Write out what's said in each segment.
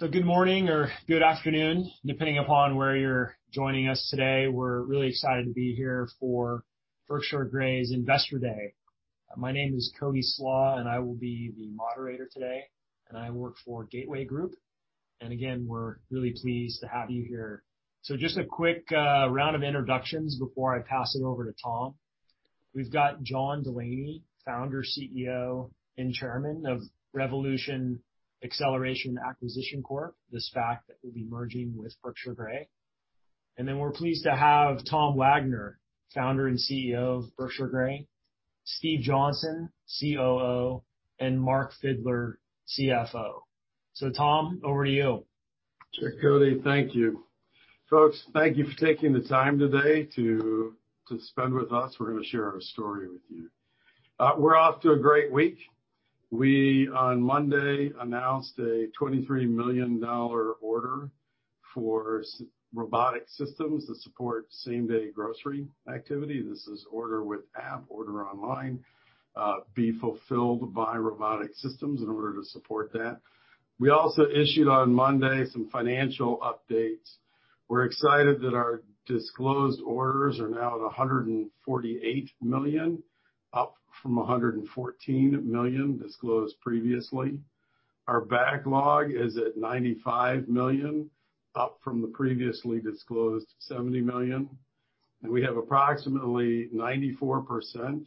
Good morning or good afternoon, depending upon where you're joining us today. We're really excited to be here for Berkshire Grey's Investor Day. My name is Cody Slach, and I will be the moderator today, and I work for Gateway Group. And again, we're really pleased to have you here. So just a quick round of introductions before I pass it over to Tom. We've got John Delaney, founder, CEO, and chairman of Revolution Acceleration Acquisition Corp, the SPAC that we'll be merging with Berkshire Grey. And then we're pleased to have Tom Wagner, founder and CEO of Berkshire Grey, Steve Johnson, COO, and Mark Fidler, CFO. So Tom, over to you. Sure, Cody, thank you. Folks, thank you for taking the time today to spend with us. We're going to share our story with you. We're off to a great week. We on Monday announced a $23 million order for robotic systems that support same-day grocery activity. This is order with app, order online, be fulfilled by robotic systems in order to support that. We also issued on Monday some financial updates. We're excited that our disclosed orders are now at $148 million, up from $114 million disclosed previously. Our backlog is at $95 million, up from the previously disclosed $70 million. And we have approximately 94%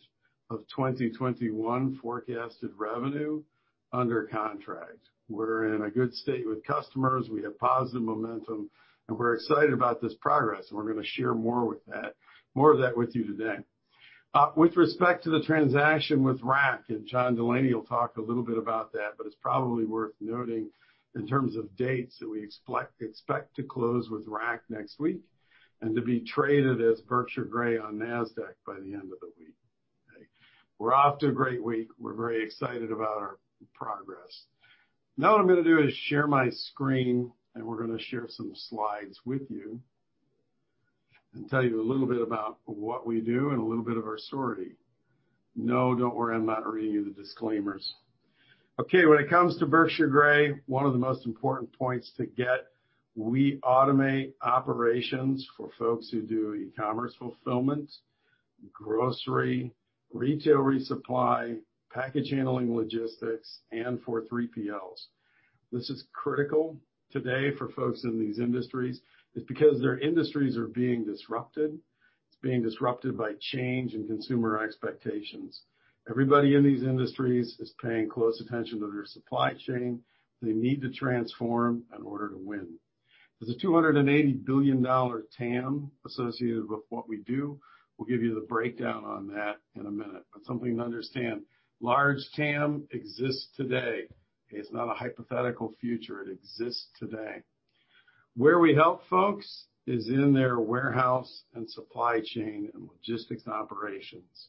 of 2021 forecasted revenue under contract. We're in a good state with customers. We have positive momentum. And we're excited about this progress. And we're going to share more with that, more of that with you today. With respect to the transaction with RAAC, and John Delaney will talk a little bit about that, but it's probably worth noting in terms of dates that we expect to close with RAAC next week and to be traded as Berkshire Grey on NASDAQ by the end of the week. We're off to a great week. We're very excited about our progress. Now what I'm going to do is share my screen, and we're going to share some slides with you and tell you a little bit about what we do and a little bit of our story. No, don't worry, I'm not reading you the disclaimers. Okay, when it comes to Berkshire Grey, one of the most important points to get, we automate operations for folks who do e-commerce fulfillment, grocery, retail resupply, package handling logistics, and for 3PLs. This is critical today for folks in these industries. It's because their industries are being disrupted. It's being disrupted by change in consumer expectations. Everybody in these industries is paying close attention to their supply chain. They need to transform in order to win. There's a $280 billion TAM associated with what we do. We'll give you the breakdown on that in a minute. But something to understand, large TAM exists today. It's not a hypothetical future. It exists today. Where we help folks is in their warehouse and supply chain and logistics and operations.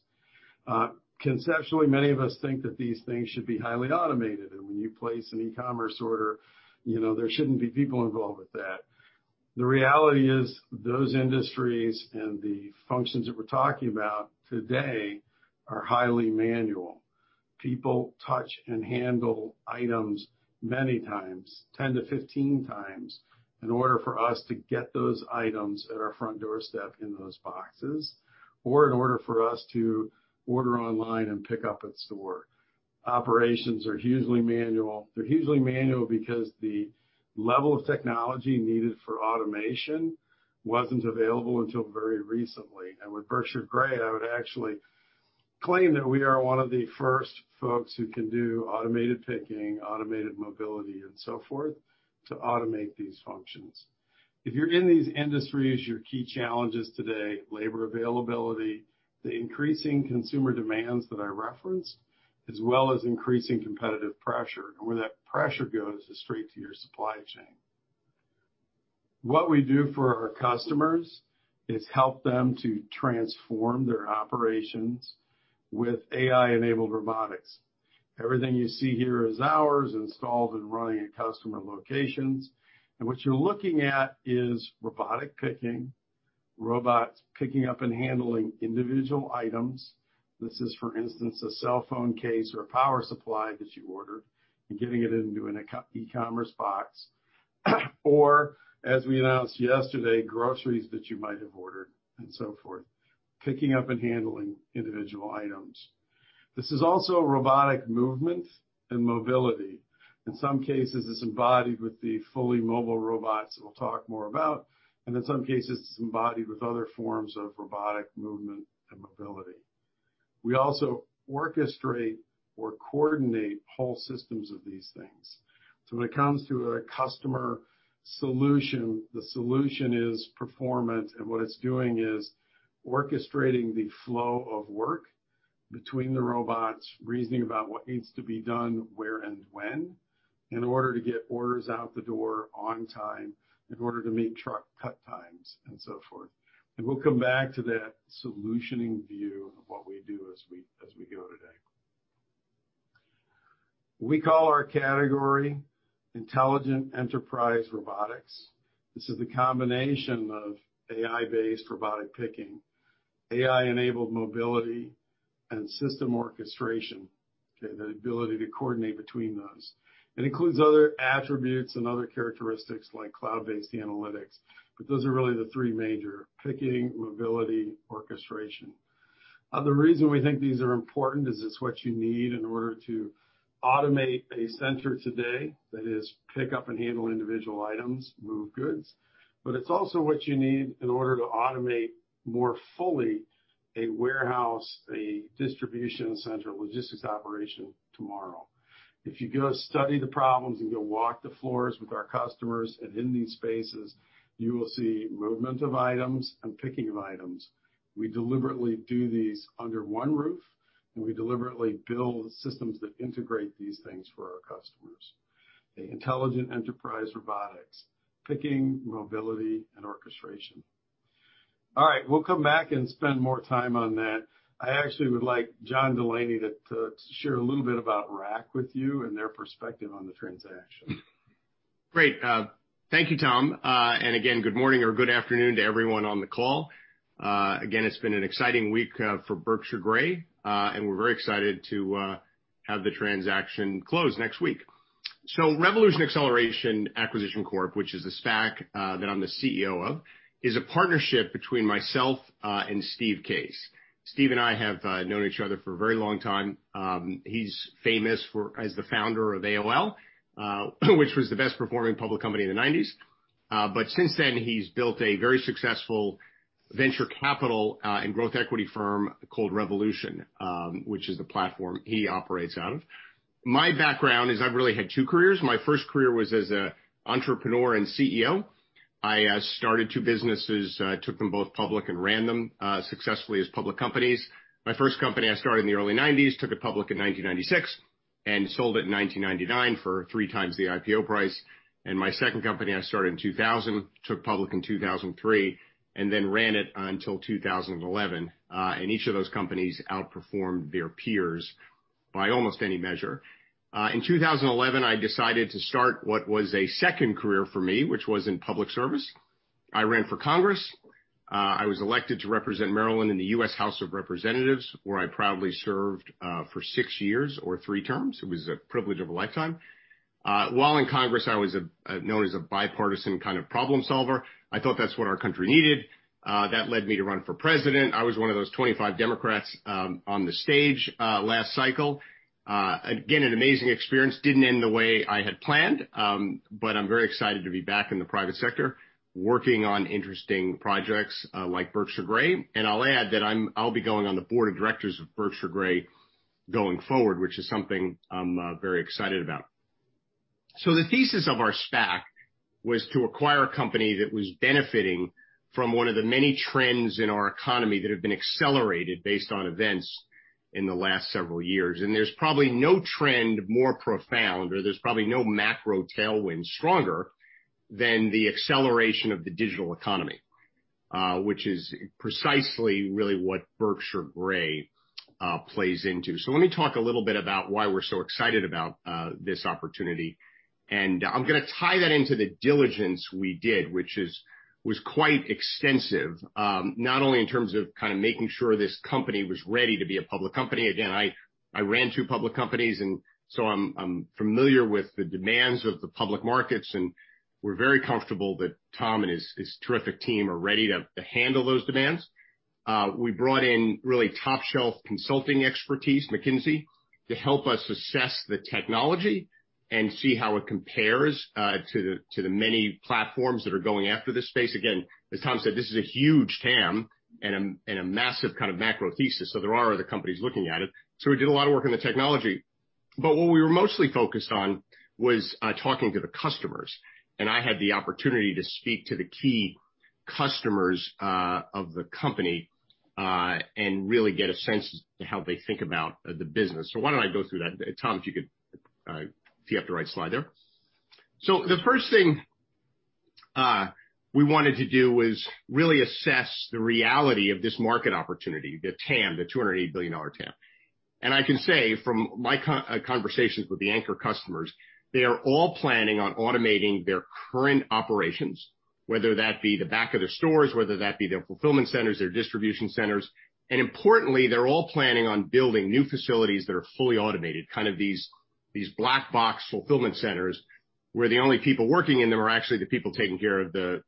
Conceptually, many of us think that these things should be highly automated. And when you place an e-commerce order, you know there shouldn't be people involved with that. The reality is those industries and the functions that we're talking about today are highly manual. People touch and handle items many times, 10-15 times, in order for us to get those items at our front doorstep in those boxes or in order for us to order online and pick up at store. Operations are hugely manual. They're hugely manual because the level of technology needed for automation wasn't available until very recently. And with Berkshire Grey, I would actually claim that we are one of the first folks who can do automated picking, automated mobility, and so forth to automate these functions. If you're in these industries, your key challenges today, labor availability, the increasing consumer demands that I referenced, as well as increasing competitive pressure. And where that pressure goes is straight to your supply chain. What we do for our customers is help them to transform their operations with AI-enabled robotics. Everything you see here is ours installed and running at customer locations. And what you're looking at is robotic picking, robots picking up and handling individual items. This is, for instance, a cell phone case or a power supply that you ordered and getting it into an e-commerce box. Or, as we announced yesterday, groceries that you might have ordered and so forth, picking up and handling individual items. This is also robotic movement and mobility. In some cases, it's embodied with the fully mobile robots that we'll talk more about. And in some cases, it's embodied with other forms of robotic movement and mobility. We also orchestrate or coordinate whole systems of these things. So when it comes to a customer solution, the solution is performance. And what it's doing is orchestrating the flow of work between the robots, reasoning about what needs to be done, where, and when, in order to get orders out the door on time, in order to meet truck cut times and so forth. And we'll come back to that solutioning view of what we do as we go today. We call our category Intelligent Enterprise Robotics. This is the combination of AI-based robotic picking, AI-enabled mobility, and system orchestration, the ability to coordinate between those. It includes other attributes and other characteristics like cloud-based analytics. But those are really the three major: picking, mobility, orchestration. The reason we think these are important is it's what you need in order to automate a center today that is pick up and handle individual items, move goods. But it's also what you need in order to automate more fully a warehouse, a distribution center, logistics operation tomorrow. If you go study the problems and go walk the floors with our customers and in these spaces, you will see movement of items and picking of items. We deliberately do these under one roof, and we deliberately build systems that integrate these things for our customers: the Intelligent Enterprise Robotics, picking, mobility, and orchestration. All right, we'll come back and spend more time on that. I actually would like John Delaney to share a little bit about RAAC with you and their perspective on the transaction. Great. Thank you, Tom. And again, good morning or good afternoon to everyone on the call. Again, it's been an exciting week for Berkshire Grey. And we're very excited to have the transaction close next week. So Revolution Acceleration Acquisition Corp, which is a SPAC that I'm the CEO of, is a partnership between myself and Steve Case. Steve and I have known each other for a very long time. He's famous as the founder of AOL, which was the best-performing public company in the '90s. But since then, he's built a very successful venture capital and growth equity firm called Revolution, which is the platform he operates out of. My background is I've really had two careers. My first career was as an entrepreneur and CEO. I started two businesses, took them both public, and ran them successfully as public companies. My first company I started in the early '90s, took it public in 1996, and sold it in 1999 for three times the IPO price. And my second company I started in 2000, took public in 2003, and then ran it until 2011. And each of those companies outperformed their peers by almost any measure. In 2011, I decided to start what was a second career for me, which was in public service. I ran for Congress. I was elected to represent Maryland in the U.S. House of Representatives, where I proudly served for six years or three terms. It was a privilege of a lifetime. While in Congress, I was known as a bipartisan kind of problem solver. I thought that's what our country needed. That led me to run for president. I was one of those 25 Democrats on the stage last cycle. Again, an amazing experience. Didn't end the way I had planned, but I'm very excited to be back in the private sector working on interesting projects like Berkshire Grey. And I'll add that I'll be going on the Board of Directors of Berkshire Grey going forward, which is something I'm very excited about. So the thesis of our SPAC was to acquire a company that was benefiting from one of the many trends in our economy that have been accelerated based on events in the last several years. And there's probably no trend more profound, or there's probably no macro tailwind stronger than the acceleration of the digital economy, which is precisely really what Berkshire Grey plays into. So let me talk a little bit about why we're so excited about this opportunity. And I'm going to tie that into the diligence we did, which was quite extensive, not only in terms of kind of making sure this company was ready to be a public company. Again, I ran two public companies, and so I'm familiar with the demands of the public markets. And we're very comfortable that Tom and his terrific team are ready to handle those demands. We brought in really top-shelf consulting expertise, McKinsey, to help us assess the technology and see how it compares to the many platforms that are going after this space. Again, as Tom said, this is a huge TAM and a massive kind of macro thesis. So there are other companies looking at it. So we did a lot of work on the technology. But what we were mostly focused on was talking to the customers. And I had the opportunity to speak to the key customers of the company and really get a sense of how they think about the business. So why don't I go through that? Tom, if you have the right slide there. So the first thing we wanted to do was really assess the reality of this market opportunity, the TAM, the $280 billion TAM. And I can say from my conversations with the anchor customers, they are all planning on automating their current operations, whether that be the back of their stores, whether that be their fulfillment centers, their distribution centers. And importantly, they're all planning on building new facilities that are fully automated, kind of these black box fulfillment centers where the only people working in them are actually the people taking care of the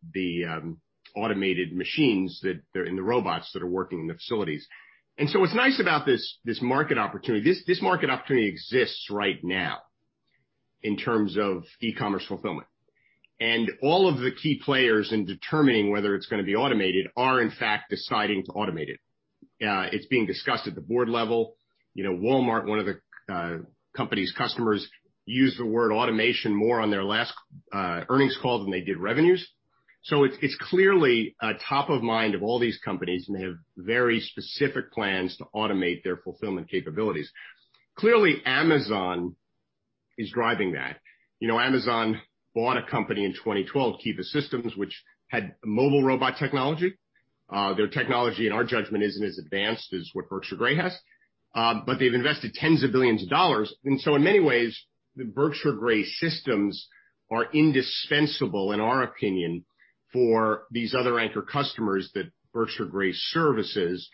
automated machines that are in the robots that are working in the facilities. And so what's nice about this market opportunity, this market opportunity exists right now in terms of e-commerce fulfillment. And all of the key players in determining whether it's going to be automated are, in fact, deciding to automate it. It's being discussed at the board level. Walmart, one of the company's customers, used the word automation more on their last earnings call than they did revenues. So it's clearly top of mind of all these companies and they have very specific plans to automate their fulfillment capabilities. Clearly, Amazon is driving that. You know, Amazon bought a company in 2012, Kiva Systems, which had mobile robot technology. Their technology, in our judgment, isn't as advanced as what Berkshire Grey has. But they've invested tens of billions of dollars. In many ways, the Berkshire Grey systems are indispensable, in our opinion, for these other anchor customers that Berkshire Grey services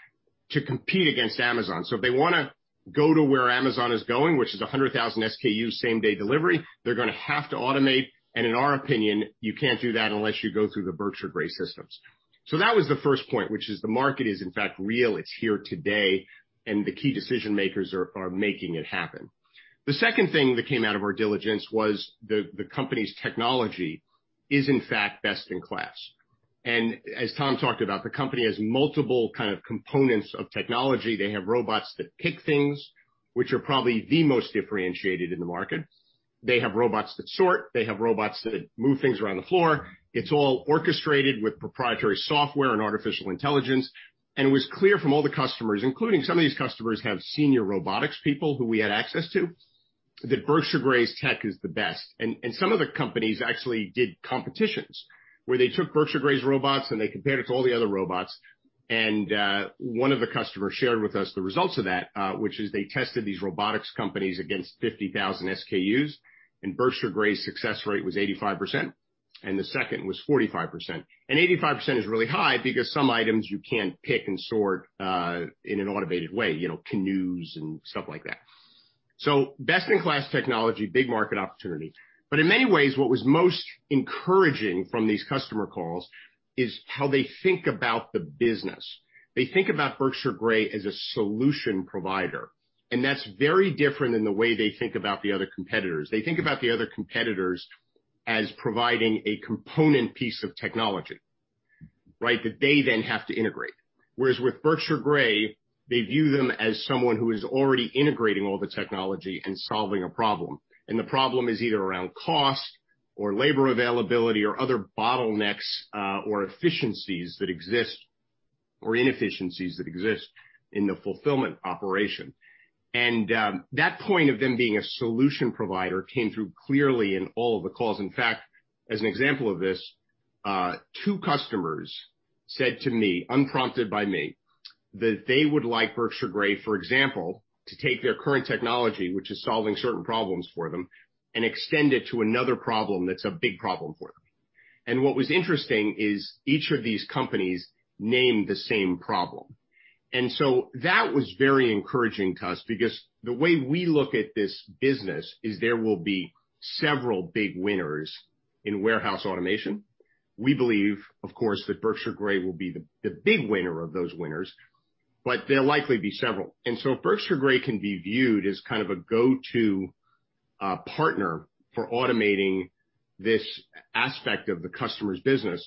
to compete against Amazon. So if they want to go to where Amazon is going, which is 100,000 SKUs, same-day delivery, they're going to have to automate. And in our opinion, you can't do that unless you go through the Berkshire Grey systems. So that was the first point, which is the market is, in fact, real. It's here today. And the key decision makers are making it happen. The second thing that came out of our diligence was the company's technology is, in fact, best in class. And as Tom talked about, the company has multiple kind of components of technology. They have robots that pick things, which are probably the most differentiated in the market. They have robots that sort. They have robots that move things around the floor. It's all orchestrated with proprietary software and artificial intelligence. And it was clear from all the customers, including some of these customers have senior robotics people who we had access to, that Berkshire Grey's tech is the best. And some of the companies actually did competitions where they took Berkshire Grey's robots and they compared it to all the other robots. And one of the customers shared with us the results of that, which is they tested these robotics companies against 50,000 SKUs. And Berkshire Grey's success rate was 85%. And the second was 45%. And 85% is really high because some items you can't pick and sort in an automated way, you know, canoes and stuff like that. So best-in-class technology, big market opportunity. But in many ways, what was most encouraging from these customer calls is how they think about the business. They think about Berkshire Grey as a solution provider. And that's very different than the way they think about the other competitors. They think about the other competitors as providing a component piece of technology, right, that they then have to integrate. Whereas with Berkshire Grey, they view them as someone who is already integrating all the technology and solving a problem. And the problem is either around cost or labor availability or other bottlenecks or efficiencies that exist or inefficiencies that exist in the fulfillment operation. And that point of them being a solution provider came through clearly in all of the calls. In fact, as an example of this, two customers said to me, unprompted by me, that they would like Berkshire Grey, for example, to take their current technology, which is solving certain problems for them, and extend it to another problem that's a big problem for them. And what was interesting is each of these companies named the same problem. And so that was very encouraging to us because the way we look at this business is there will be several big winners in warehouse automation. We believe, of course, that Berkshire Grey will be the big winner of those winners, but there'll likely be several. And so Berkshire Grey can be viewed as kind of a go-to partner for automating this aspect of the customer's business.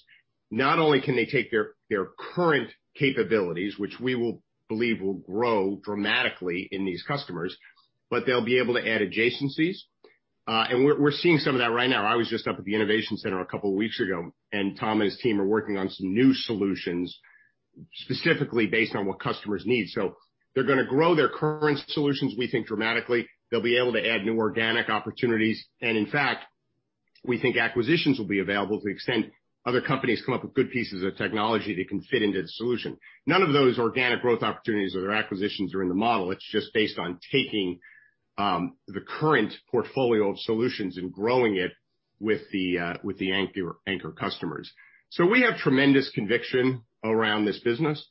Not only can they take their current capabilities, which we will believe will grow dramatically in these customers, but they'll be able to add adjacencies. And we're seeing some of that right now. I was just up at the Innovation Center a couple of weeks ago, and Tom and his team are working on some new solutions specifically based on what customers need. So they're going to grow their current solutions, we think, dramatically. They'll be able to add new organic opportunities. And in fact, we think acquisitions will be available to the extent other companies come up with good pieces of technology that can fit into the solution. None of those organic growth opportunities or their acquisitions are in the model. It's just based on taking the current portfolio of solutions and growing it with the anchor customers. So we have tremendous conviction around this business.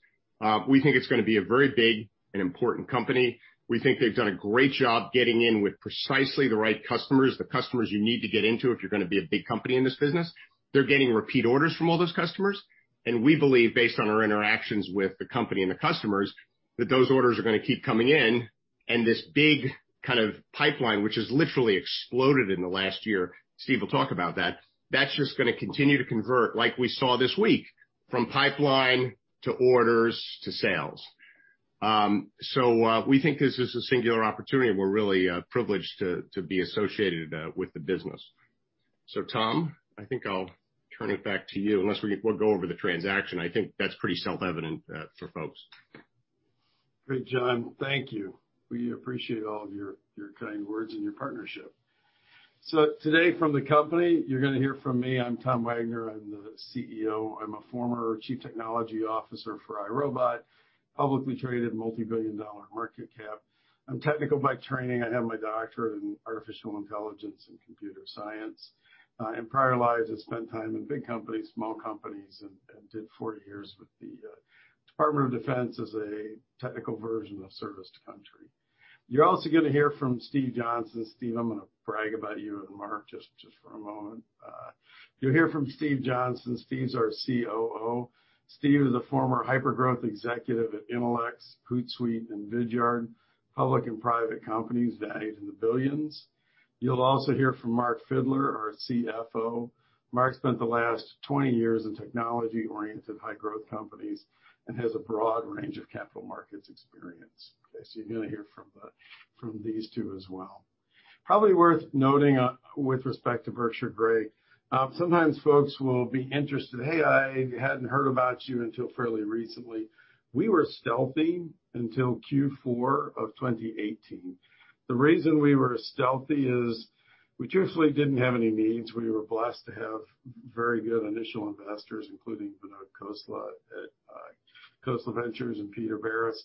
We think it's going to be a very big and important company. We think they've done a great job getting in with precisely the right customers, the customers you need to get into if you're going to be a big company in this business. They're getting repeat orders from all those customers. And we believe, based on our interactions with the company and the customers, that those orders are going to keep coming in. And this big kind of pipeline, which has literally exploded in the last year, Steve will talk about that, that's just going to continue to convert, like we saw this week, from pipeline to orders to sales. So we think this is a singular opportunity. We're really privileged to be associated with the business. So Tom, I think I'll turn it back to you unless we'll go over the transaction. I think that's pretty self-evident for folks. Great, John. Thank you. We appreciate all of your kind words and your partnership. So today from the company, you're going to hear from me. I'm Tom Wagner. I'm the CEO. I'm a former Chief Technology Officer for iRobot, publicly traded, multi-billion dollar market cap. I'm technical by training. I have my doctorate in artificial intelligence and computer science. In prior lives, I spent time in big companies, small companies, and did four years with the Department of Defense as a technical version of service to country. You're also going to hear from Steve Johnson. Steve, I'm going to brag about you and Mark just for a moment. You'll hear from Steve Johnson. Steve's our COO. Steve is a former hyper-growth executive at Intelex, Hootsuite, and Vidyard, public and private companies valued in the billions. You'll also hear from Mark Fidler, our CFO. Mark spent the last 20 years in technology-oriented high-growth companies and has a broad range of capital markets experience. Okay, so you're going to hear from these two as well. Probably worth noting with respect to Berkshire Grey, sometimes folks will be interested, "Hey, I hadn't heard about you until fairly recently." We were stealthy until Q4 of 2018. The reason we were stealthy is we truthfully didn't have any needs. We were blessed to have very good initial investors, including Vinod Khosla at Khosla Ventures and Peter Barris.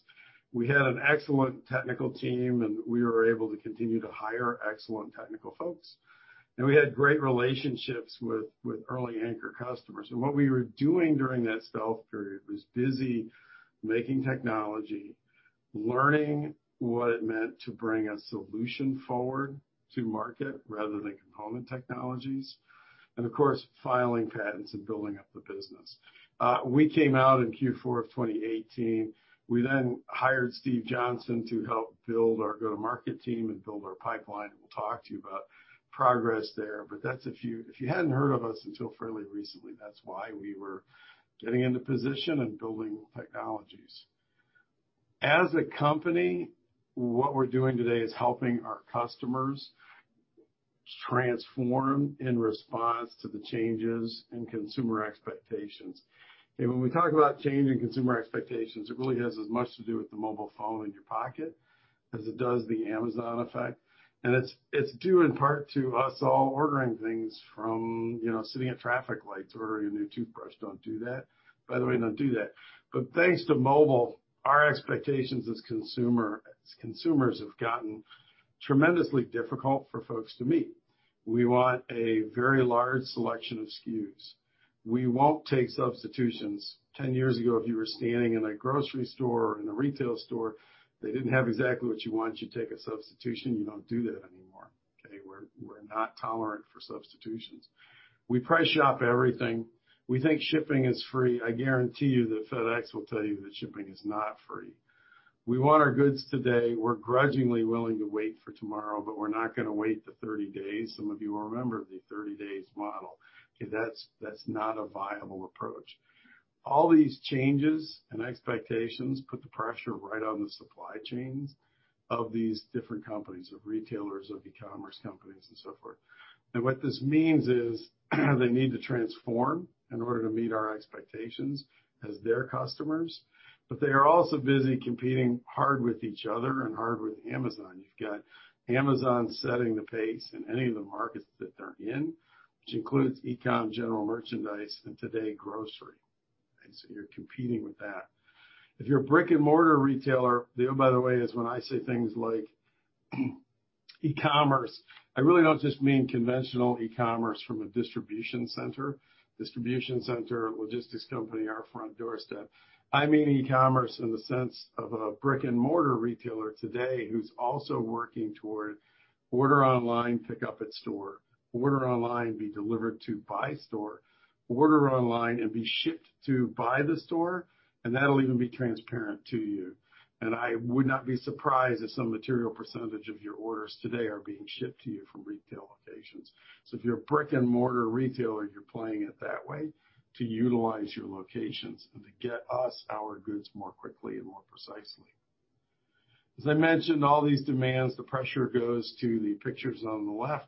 We had an excellent technical team, and we were able to continue to hire excellent technical folks. We had great relationships with early anchor customers. What we were doing during that stealth period was busy making technology, learning what it meant to bring a solution forward to market rather than component technologies, and of course, filing patents and building up the business. We came out in Q4 of 2018. We then hired Steve Johnson to help build our go-to-market team and build our pipeline. We'll talk to you about progress there. But that's if you hadn't heard of us until fairly recently. That's why we were getting into position and building technologies. As a company, what we're doing today is helping our customers transform in response to the changes in consumer expectations. When we talk about change in consumer expectations, it really has as much to do with the mobile phone in your pocket as it does the Amazon effect. And it's due in part to us all ordering things from sitting at traffic lights ordering a new toothbrush. Don't do that. By the way, don't do that. But thanks to mobile, our expectations as consumers have gotten tremendously difficult for folks to meet. We want a very large selection of SKUs. We won't take substitutions. 10 years ago, if you were standing in a grocery store or in a retail store, they didn't have exactly what you want. You take a substitution. You don't do that anymore. Okay, we're not tolerant for substitutions. We price shop everything. We think shipping is free. I guarantee you that FedEx will tell you that shipping is not free. We want our goods today. We're grudgingly willing to wait for tomorrow, but we're not going to wait the 30 days. Some of you will remember the 30-days model. Okay, that's not a viable approach. All these changes and expectations put the pressure right on the supply chains of these different companies, of retailers, of e-commerce companies, and so forth. What this means is they need to transform in order to meet our expectations as their customers. They are also busy competing hard with each other and hard with Amazon. You've got Amazon setting the pace in any of the markets that they're in, which includes e-com, general merchandise, and today, grocery. You're competing with that. If you're a brick-and-mortar retailer, the oh, by the way, is when I say things like e-commerce, I really don't just mean conventional e-commerce from a distribution center, logistics company, our front doorstep. I mean e-commerce in the sense of a brick-and-mortar retailer today who's also working toward order online, pick up at store, order online, be delivered to the store, order online, and be shipped to the store. And that'll even be transparent to you. And I would not be surprised if some material percentage of your orders today are being shipped to you from retail locations. So if you're a brick-and-mortar retailer, you're playing it that way to utilize your locations and to get you your goods more quickly and more precisely. As I mentioned, all these demands, the pressure goes to the pictures on the left,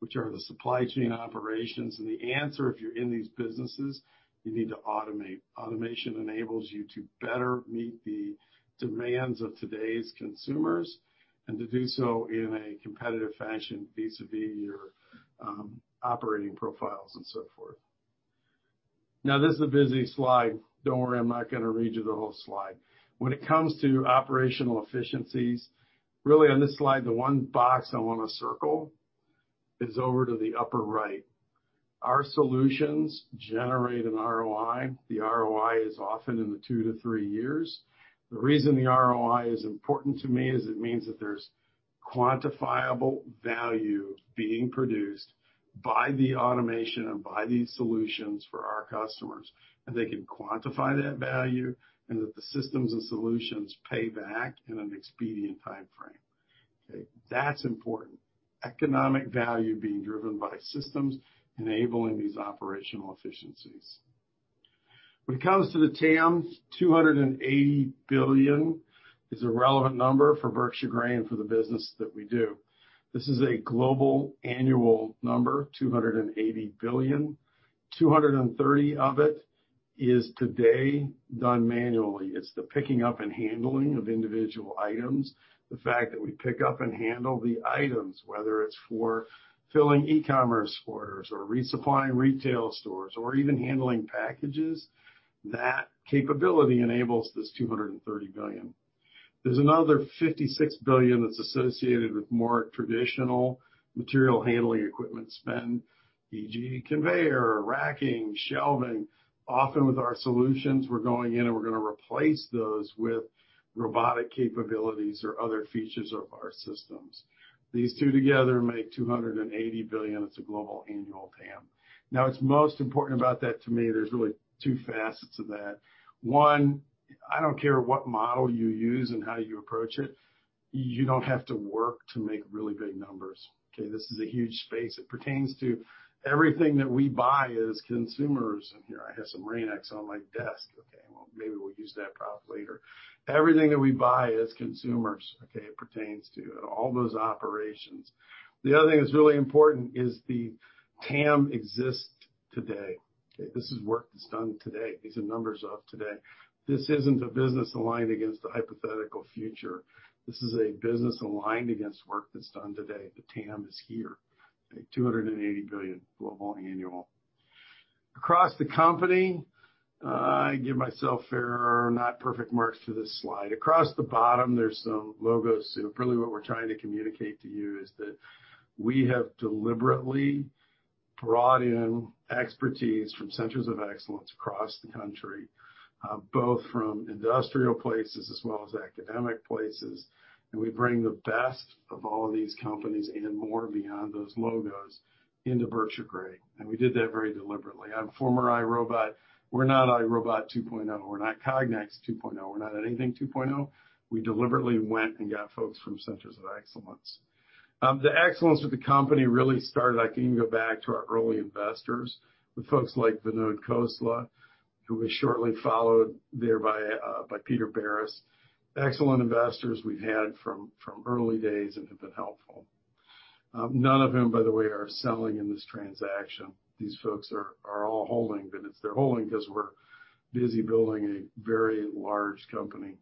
which are the supply chain operations. And the answer, if you're in these businesses, you need to automate. Automation enables you to better meet the demands of today's consumers and to do so in a competitive fashion vis-à-vis your operating profiles and so forth. Now, this is a busy slide. Don't worry, I'm not going to read you the whole slide. When it comes to operational efficiencies, really on this slide, the one box I want to circle is over to the upper right. Our solutions generate an ROI. The ROI is often in the two-to-three years. The reason the ROI is important to me is it means that there's quantifiable value being produced by the automation and by these solutions for our customers. And they can quantify that value and that the systems and solutions pay back in an expedient time frame. Okay, that's important. Economic value being driven by systems enabling these operational efficiencies. When it comes to the TAM, $280 billion is a relevant number for Berkshire Grey and for the business that we do. This is a global annual number, $280 billion. $230 billion of it is today done manually. It's the picking up and handling of individual items. The fact that we pick up and handle the items, whether it's for filling e-commerce orders or resupplying retail stores or even handling packages, that capability enables this $230 billion. There's another $56 billion that's associated with more traditional material handling equipment spend, e.g., conveyor, racking, shelving. Often with our solutions, we're going in and we're going to replace those with robotic capabilities or other features of our systems. These two together make $280 billion. It's a global annual TAM. Now, what's most important about that to me, there's really two facets of that. One, I don't care what model you use and how you approach it. You don't have to work to make really big numbers. Okay, this is a huge space. It pertains to everything that we buy as consumers, and here, I have some Rain-X on my desk. Okay, well, maybe we'll use that prop later. Everything that we buy as consumers, okay, it pertains to all those operations. The other thing that's really important is the TAM exists today. Okay, this is work that's done today. These are numbers of today. This isn't a business aligned against a hypothetical future. This is a business aligned against work that's done today. The TAM is here. Okay, $280 billion global annual. Across the company, I give myself fair, not perfect marks for this slide. Across the bottom, there's some logos. So really what we're trying to communicate to you is that we have deliberately brought in expertise from centers of excellence across the country, both from industrial places as well as academic places. And we bring the best of all these companies and more beyond those logos into Berkshire Grey. And we did that very deliberately. I'm former iRobot. We're not iRobot 2.0. We're not Cognex 2.0. We're not anything 2.0. We deliberately went and got folks from centers of excellence. The excellence of the company really started. I can even go back to our early investors, with folks like Vinod Khosla, who was shortly followed there by Peter Barris. Excellent investors we've had from early days and have been helpful. None of them, by the way, are selling in this transaction. These folks are all holding, but it's they're holding because we're busy building a very large company.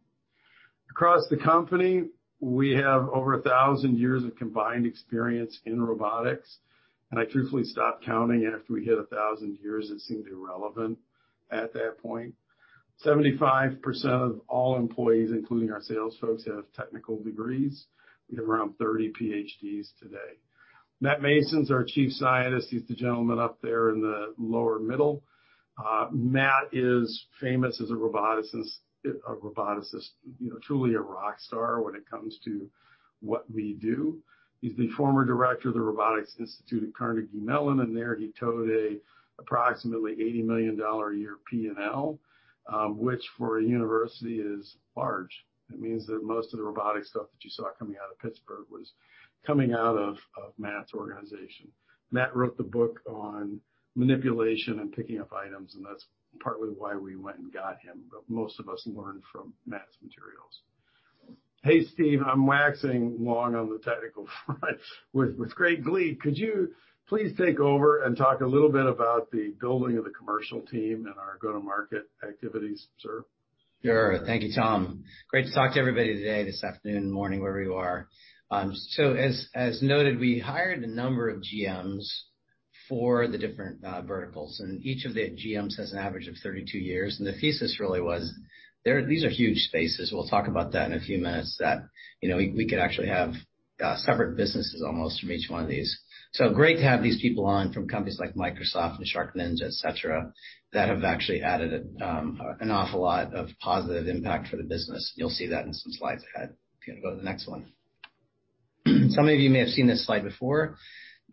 Across the company, we have over 1,000 years of combined experience in robotics. And I truthfully stopped counting after we hit 1,000 years. It seemed irrelevant at that point. 75% of all employees, including our sales folks, have technical degrees. We have around 30 PhDs today. Matt Mason's our Chief Scientist. He's the gentleman up there in the lower middle. Matt is famous as a roboticist, a roboticist, truly a rockstar when it comes to what we do. He's the former director of the Robotics Institute at Carnegie Mellon. And there he toted approximately $80 million a year P&L, which for a university is large. That means that most of the robotics stuff that you saw coming out of Pittsburgh was coming out of Matt's organization. Matt wrote the book on manipulation and picking up items. And that's partly why we went and got him. But most of us learned from Matt's materials. Hey, Steve, I'm waxing long on the technical front with great glee. Could you please take over and talk a little bit about the building of the commercial team and our go-to-market activities, sir? Sure. Thank you, Tom. Great to talk to everybody today, this afternoon, morning, wherever you are. So as noted, we hired a number of GMs for the different verticals. And each of the GMs has an average of 32 years. And the thesis really was, these are huge spaces. We'll talk about that in a few minutes, that we could actually have separate businesses almost from each one of these. So great to have these people on from companies like Microsoft and SharkNinja, etc., that have actually added an awful lot of positive impact for the business. You'll see that in some slides ahead. If you want to go to the next one. Some of you may have seen this slide before.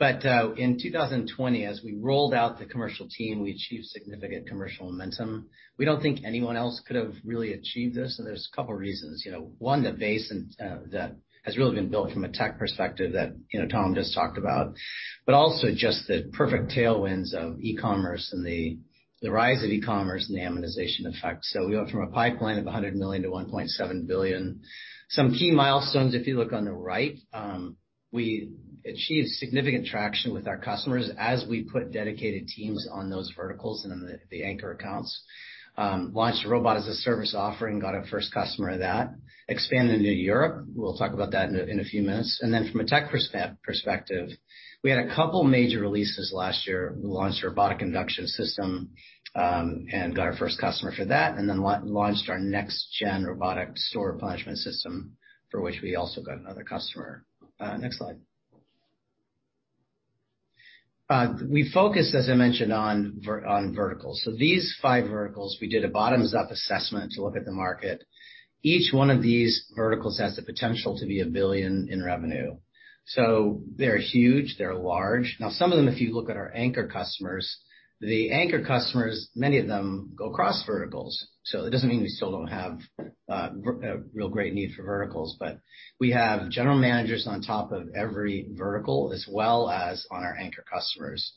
But in 2020, as we rolled out the commercial team, we achieved significant commercial momentum. We don't think anyone else could have really achieved this. There's a couple of reasons. One, the base that has really been built from a tech perspective that Tom just talked about, but also just the perfect tailwinds of e-commerce and the rise of e-commerce and the Amazonization effect. So we went from a pipeline of $100 million-$1.7 billion. Some key milestones, if you look on the right, we achieved significant traction with our customers as we put dedicated teams on those verticals and the anchor accounts, launched a Robot-as-a-Service offering, got our first customer of that, expanded into Europe. We'll talk about that in a few minutes. And then from a tech perspective, we had a couple of major releases last year. We launched a robotic induction system and got our first customer for that, and then launched our next-gen robotic store replenishment system, for which we also got another customer. Next slide. We focused, as I mentioned, on verticals. So these five verticals, we did a bottoms-up assessment to look at the market. Each one of these verticals has the potential to be $1 billion in revenue. So they're huge. They're large. Now, some of them, if you look at our anchor customers, the anchor customers, many of them go across verticals. So it doesn't mean we still don't have a real great need for verticals, but we have general managers on top of every vertical, as well as on our anchor customers.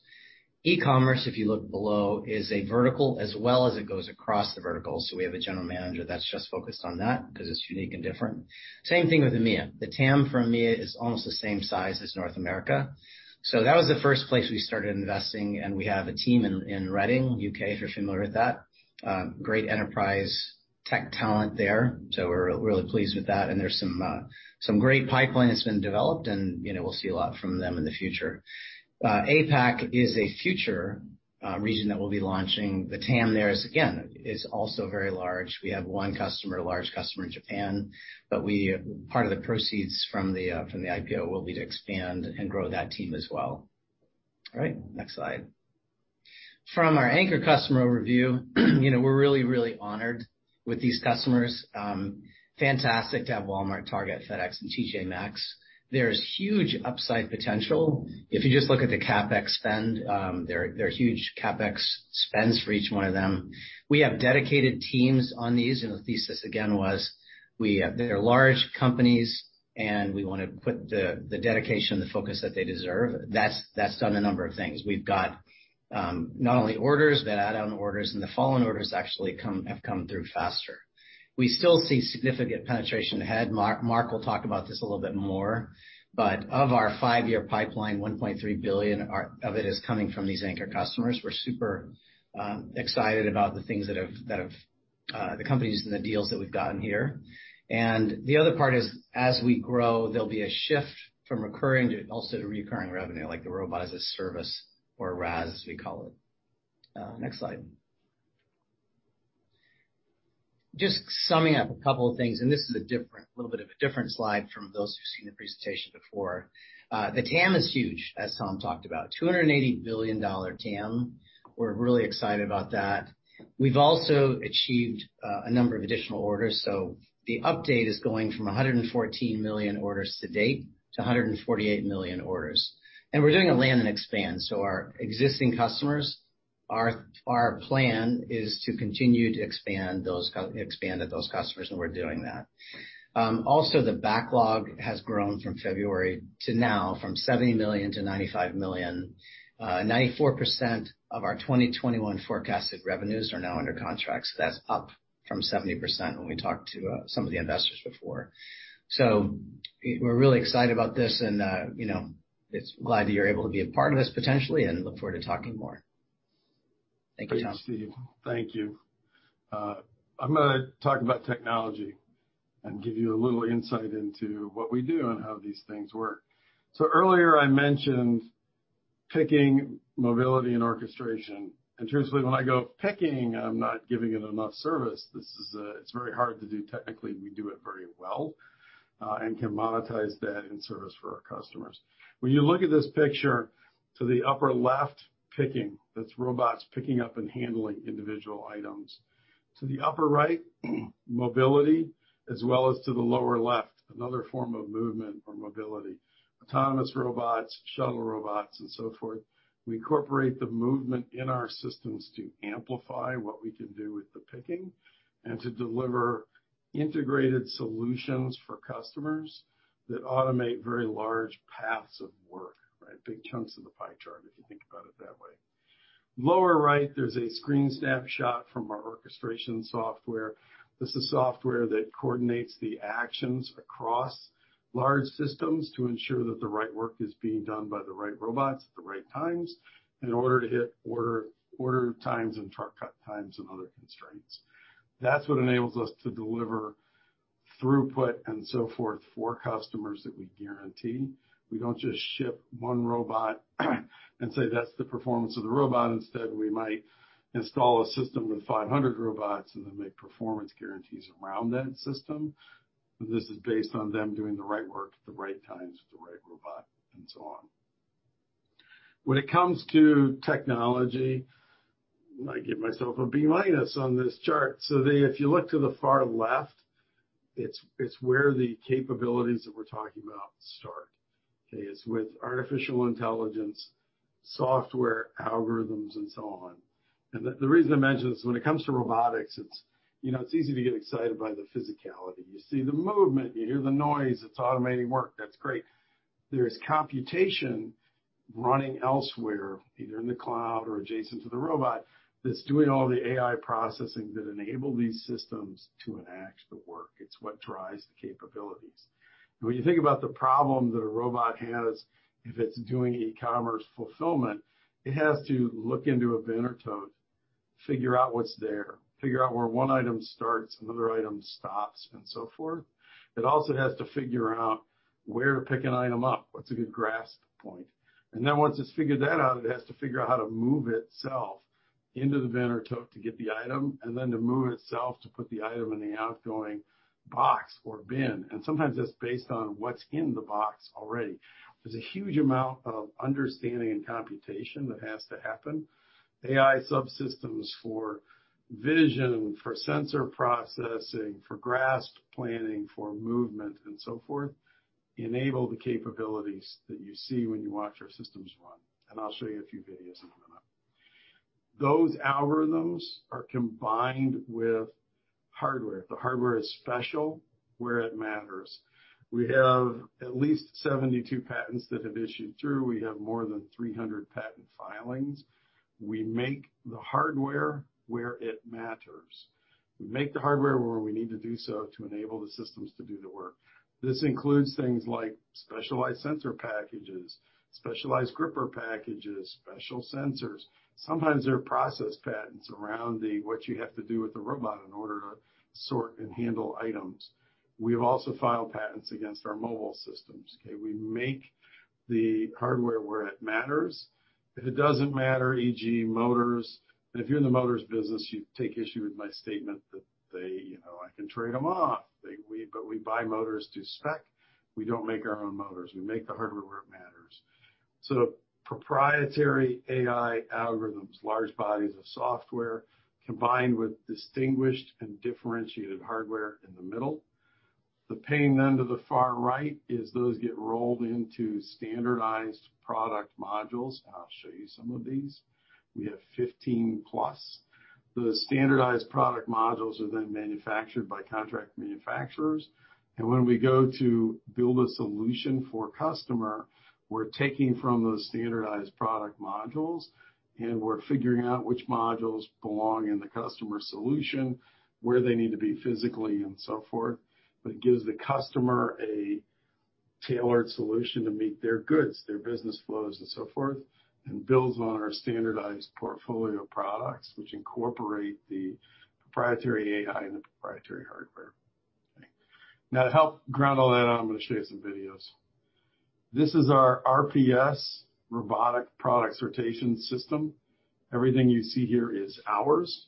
E-commerce, if you look below, is a vertical as well as it goes across the vertical. So we have a general manager that's just focused on that because it's unique and different. Same thing with EMEA. The TAM for EMEA is almost the same size as North America. So that was the first place we started investing. And we have a team in Reading, U.K., if you're familiar with that. Great enterprise tech talent there. So we're really pleased with that. And there's some great pipeline that's been developed. And we'll see a lot from them in the future. APAC is a future region that we'll be launching. The TAM there is, again, also very large. We have one customer, a large customer in Japan. But part of the proceeds from the IPO will be to expand and grow that team as well. All right, next slide. From our anchor customer overview, we're really, really honored with these customers. Fantastic to have Walmart, Target, FedEx, and T.J. Maxx. There's huge upside potential. If you just look at the CapEx spend, there are huge CapEx spends for each one of them. We have dedicated teams on these. The thesis, again, was they're large companies and we want to put the dedication, the focus that they deserve. That's done a number of things. We've got not only orders, but add-on orders. The follow-on orders actually have come through faster. We still see significant penetration ahead. Mark will talk about this a little bit more. Of our five-year pipeline, $1.3 billion of it is coming from these anchor customers. We're super excited about the things that these companies and the deals that we've gotten here. The other part is, as we grow, there'll be a shift from CapEx to recurring revenue, like the Robot-as-a-Service or RaaS, as we call it. Next slide. Just summing up a couple of things. This is a different, a little bit of a different slide from those who've seen the presentation before. The TAM is huge, as Tom talked about. $280 billion TAM. We're really excited about that. We've also achieved a number of additional orders, so the update is going from 114 million orders to date to 148 million orders. We're doing a land and expand, so our existing customers, our plan is to continue to expand at those customers. We're doing that. Also, the backlog has grown from February to now from $70 million to $95 million. 94% of our 2021 forecasted revenues are now under contracts. That's up from 70% when we talked to some of the investors before. We're really excited about this. I'm glad that you're able to be a part of this potentially and look forward to talking more. Thank you, Tom. Thank you. I'm going to talk about technology and give you a little insight into what we do and how these things work. So earlier, I mentioned picking, mobility, and orchestration. And truthfully, when I go picking, I'm not giving it enough service. It's very hard to do technically. We do it very well and can monetize that in service for our customers. When you look at this picture, to the upper left, picking, that's robots picking up and handling individual items. To the upper right, mobility, as well as to the lower left, another form of movement or mobility. Autonomous robots, shuttle robots, and so forth. We incorporate the movement in our systems to amplify what we can do with the picking and to deliver integrated solutions for customers that automate very large paths of work, right? Big chunks of the pie chart, if you think about it that way. Lower right, there's a screen snapshot from our orchestration software. This is software that coordinates the actions across large systems to ensure that the right work is being done by the right robots at the right times in order to hit order times and truck cut times and other constraints. That's what enables us to deliver throughput and so forth for customers that we guarantee. We don't just ship one robot and say that's the performance of the robot. Instead, we might install a system with 500 robots and then make performance guarantees around that system. And this is based on them doing the right work at the right times with the right robot and so on. When it comes to technology, I give myself a B-minus on this chart. So if you look to the far left, it's where the capabilities that we're talking about start. Okay, it's with artificial intelligence, software, algorithms, and so on. And the reason I mentioned this, when it comes to robotics, it's easy to get excited by the physicality. You see the movement. You hear the noise. It's automating work. That's great. There is computation running elsewhere, either in the cloud or adjacent to the robot, that's doing all the AI processing that enables these systems to enact the work. It's what drives the capabilities. And when you think about the problem that a robot has, if it's doing e-commerce fulfillment, it has to look into a bin or tote, figure out what's there, figure out where one item starts, another item stops, and so forth. It also has to figure out where to pick an item up, what's a good grasp point. And then once it's figured that out, it has to figure out how to move itself into the bin or tote to get the item, and then to move itself to put the item in the outgoing box or bin. And sometimes that's based on what's in the box already. There's a huge amount of understanding and computation that has to happen. AI subsystems for vision, for sensor processing, for grasp planning, for movement, and so forth enable the capabilities that you see when you watch our systems run. And I'll show you a few videos in a minute. Those algorithms are combined with hardware. The hardware is special where it matters. We have at least 72 patents that have issued through. We have more than 300 patent filings. We make the hardware where it matters. We make the hardware where we need to do so to enable the systems to do the work. This includes things like specialized sensor packages, specialized gripper packages, special sensors. Sometimes there are process patents around what you have to do with the robot in order to sort and handle items. We have also filed patents against our mobile systems. Okay, we make the hardware where it matters. If it doesn't matter, e.g., motors, and if you're in the motors business, you take issue with my statement that I can trade them off, but we buy motors to spec. We don't make our own motors. We make the hardware where it matters, so proprietary AI algorithms, large bodies of software combined with distinguished and differentiated hardware in the middle. The pane then to the far right is those get rolled into standardized product modules. I'll show you some of these. We have 15 plus. Those standardized product modules are then manufactured by contract manufacturers. When we go to build a solution for a customer, we're taking from those standardized product modules, and we're figuring out which modules belong in the customer solution, where they need to be physically, and so forth. It gives the customer a tailored solution to meet their goods, their business flows, and so forth, and builds on our standardized portfolio products, which incorporate the proprietary AI and the proprietary hardware. Now, to help ground all that out, I'm going to show you some videos. This is our RPS Robotic Product Sortation system. Everything you see here is ours.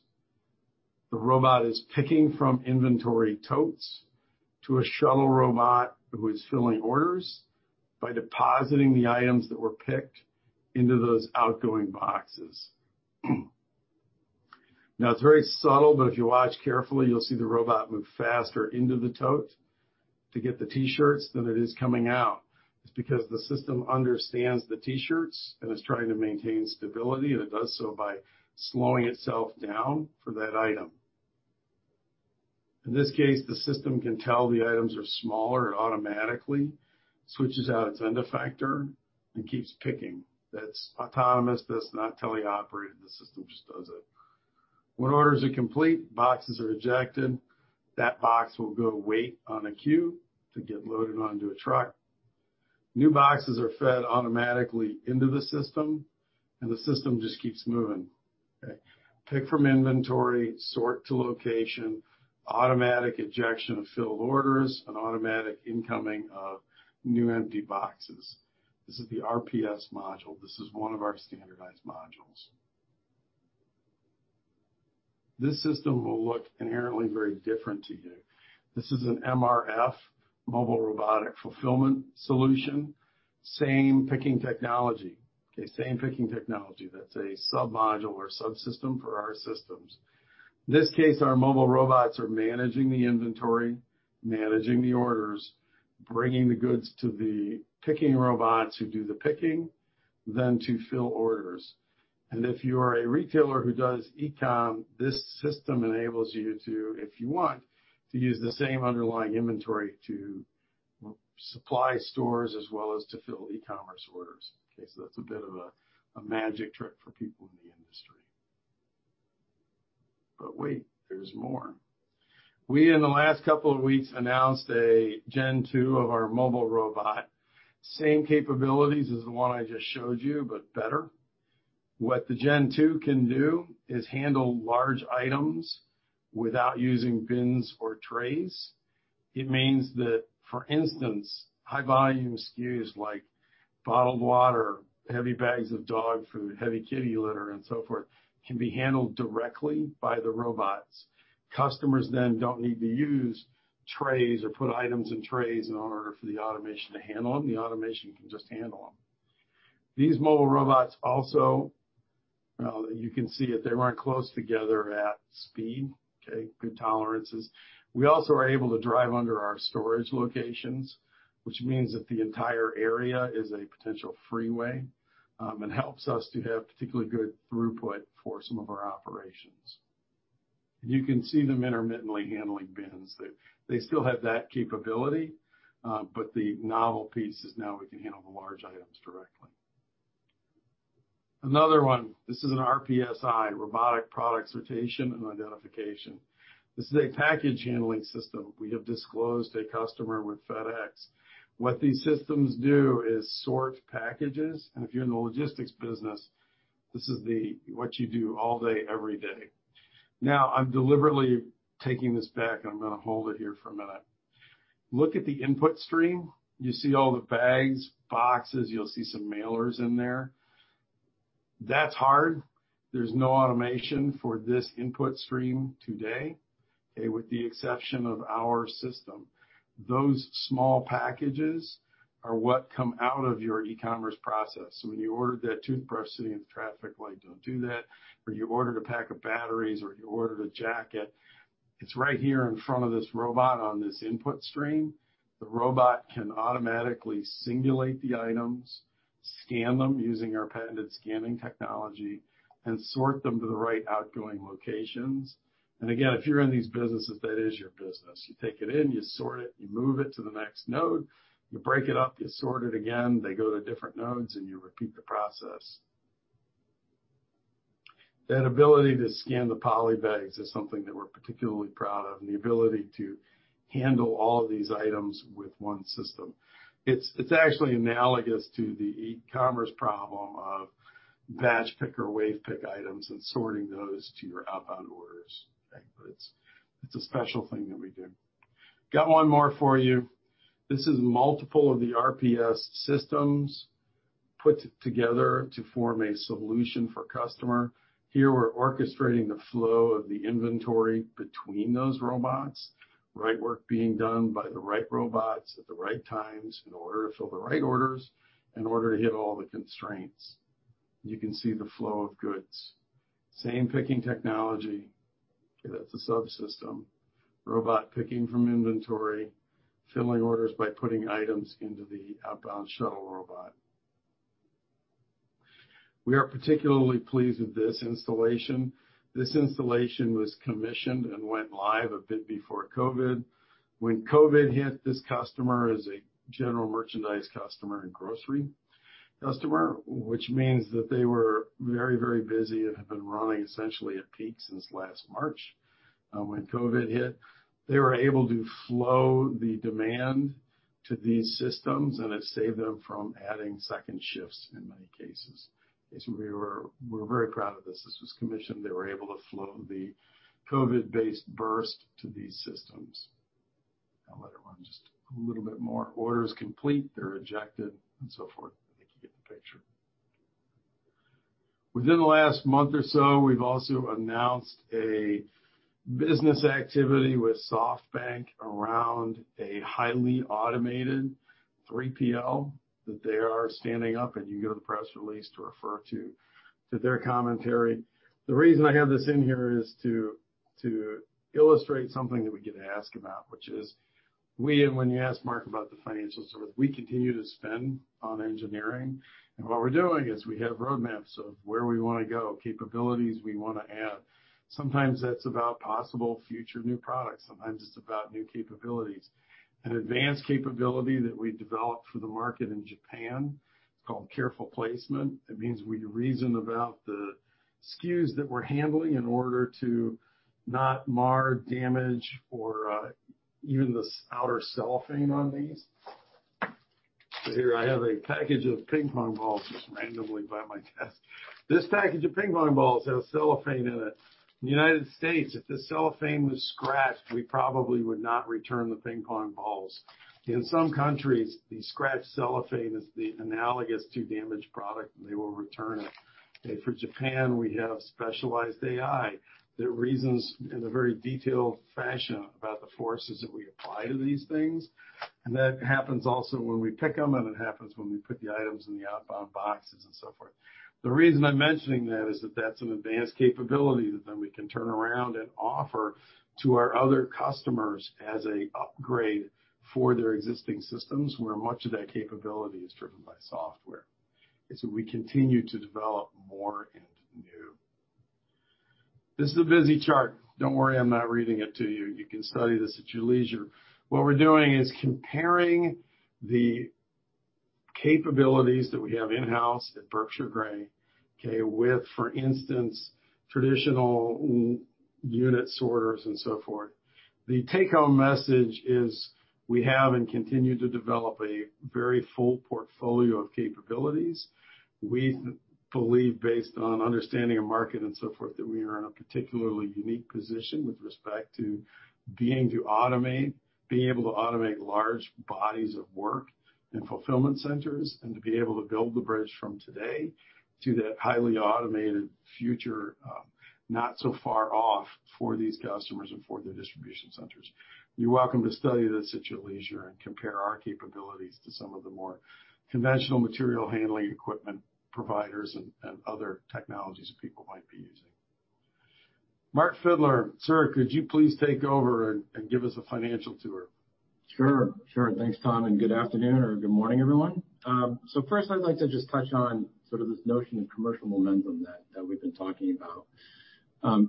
The robot is picking from inventory totes to a shuttle robot who is filling orders by depositing the items that were picked into those outgoing boxes. Now, it's very subtle, but if you watch carefully, you'll see the robot move faster into the tote to get the T-shirts than it is coming out. It's because the system understands the T-shirts and is trying to maintain stability, and it does so by slowing itself down for that item. In this case, the system can tell the items are smaller automatically, switches out its end effector, and keeps picking. That's autonomous. That's not teleoperated. The system just does it. When orders are complete, boxes are ejected. That box will go wait on a queue to get loaded onto a truck. New boxes are fed automatically into the system, and the system just keeps moving. Okay, pick from inventory, sort to location, automatic ejection of filled orders, and automatic incoming of new empty boxes. This is the RPS module. This is one of our standardized modules. This system will look inherently very different to you. This is an MRF, Mobile Robotic Fulfillment solution. Same picking technology. Okay, same picking technology. That's a submodule or subsystem for our systems. In this case, our mobile robots are managing the inventory, managing the orders, bringing the goods to the picking robots who do the picking, then to fill orders. And if you are a retailer who does e-com, this system enables you to, if you want, to use the same underlying inventory to supply stores as well as to fill e-commerce orders. Okay, so that's a bit of a magic trick for people in the industry. But wait, there's more. We, in the last couple of weeks, announced a Gen 2 of our mobile robot. Same capabilities as the one I just showed you, but better. What the Gen 2 can do is handle large items without using bins or trays. It means that, for instance, high-volume SKUs like bottled water, heavy bags of dog food, heavy kitty litter, and so forth can be handled directly by the robots. Customers then don't need to use trays or put items in trays in order for the automation to handle them. The automation can just handle them. These mobile robots also, you can see that they run close together at speed. Okay, good tolerances. We also are able to drive under our storage locations, which means that the entire area is a potential freeway and helps us to have particularly good throughput for some of our operations, and you can see them intermittently handling bins. They still have that capability, but the novel piece is now we can handle the large items directly. Another one, this is an RPSI, Robotic Product Sortation and Identification. This is a package handling system. We have disclosed to a customer with FedEx. What these systems do is sort packages, and if you're in the logistics business, this is what you do all day, every day. Now, I'm deliberately taking this back, and I'm going to hold it here for a minute. Look at the input stream. You see all the bags, boxes. You'll see some mailers in there. That's hard. There's no automation for this input stream today, okay, with the exception of our system. Those small packages are what come out of your e-commerce process, so when you ordered that toothbrush sitting in the traffic light, don't do that, or you ordered a pack of batteries, or you ordered a jacket, it's right here in front of this robot on this input stream. The robot can automatically simulate the items, scan them using our patented scanning technology, and sort them to the right outgoing locations, and again, if you're in these businesses, that is your business. You take it in, you sort it, you move it to the next node, you break it up, you sort it again, they go to different nodes, and you repeat the process. That ability to scan the poly bags is something that we're particularly proud of, and the ability to handle all of these items with one system. It's actually analogous to the e-commerce problem of batch pick or wave pick items and sorting those to your outbound orders. Okay, but it's a special thing that we do. Got one more for you. This is multiple of the RPS systems put together to form a solution for customer. Here, we're orchestrating the flow of the inventory between those robots, right work being done by the right robots at the right times in order to fill the right orders in order to hit all the constraints. You can see the flow of goods. Same picking technology. Okay, that's a subsystem. Robot picking from inventory, filling orders by putting items into the outbound shuttle robot. We are particularly pleased with this installation. This installation was commissioned and went live a bit before COVID. When COVID hit, this customer is a general merchandise customer and grocery customer, which means that they were very, very busy and have been running essentially at peak since last March. When COVID hit, they were able to flow the demand to these systems, and it saved them from adding second shifts in many cases. We were very proud of this. This was commissioned. They were able to flow the COVID-based burst to these systems. I'll let it run just a little bit more. Orders complete, they're ejected, and so forth. I think you get the picture. Within the last month or so, we've also announced a business activity with SoftBank around a highly automated 3PL that they are standing up, and you can go to the press release to refer to their commentary. The reason I have this in here is to illustrate something that we get to ask about, which is we, and when you ask Mark about the financials, we continue to spend on engineering. What we're doing is we have roadmaps of where we want to go, capabilities we want to add. Sometimes that's about possible future new products. Sometimes it's about new capabilities. An advanced capability that we developed for the market in Japan, it's called Careful Placement. It means we reason about the SKUs that we're handling in order to not mar, damage, or even the outer cellophane on these, so here I have a package of ping pong balls just randomly by my desk. This package of ping pong balls has cellophane in it. In the United States, if the cellophane was scratched, we probably would not return the ping pong balls. In some countries, the scratched cellophane is analogous to damaged product, and they will return it. Okay, for Japan, we have specialized AI that reasons in a very detailed fashion about the forces that we apply to these things, and that happens also when we pick them, and it happens when we put the items in the outbound boxes and so forth. The reason I'm mentioning that is that that's an advanced capability that then we can turn around and offer to our other customers as an upgrade for their existing systems, where much of that capability is driven by software. And so we continue to develop more and new. This is a busy chart. Don't worry, I'm not reading it to you. You can study this at your leisure. What we're doing is comparing the capabilities that we have in-house at Berkshire Grey, okay, with, for instance, traditional unit sorters and so forth. The take-home message is we have and continue to develop a very full portfolio of capabilities. We believe, based on understanding of market and so forth, that we are in a particularly unique position with respect to being able to automate large bodies of work and fulfillment centers and to be able to build the bridge from today to that highly automated future not so far off for these customers and for their distribution centers. You're welcome to study this at your leisure and compare our capabilities to some of the more conventional material handling equipment providers and other technologies that people might be using. Mark Fidler, sir, could you please take over and give us a financial tour? Sure. Sure. Thanks, Tom. And good afternoon or good morning, everyone. So first, I'd like to just touch on sort of this notion of commercial momentum that we've been talking about.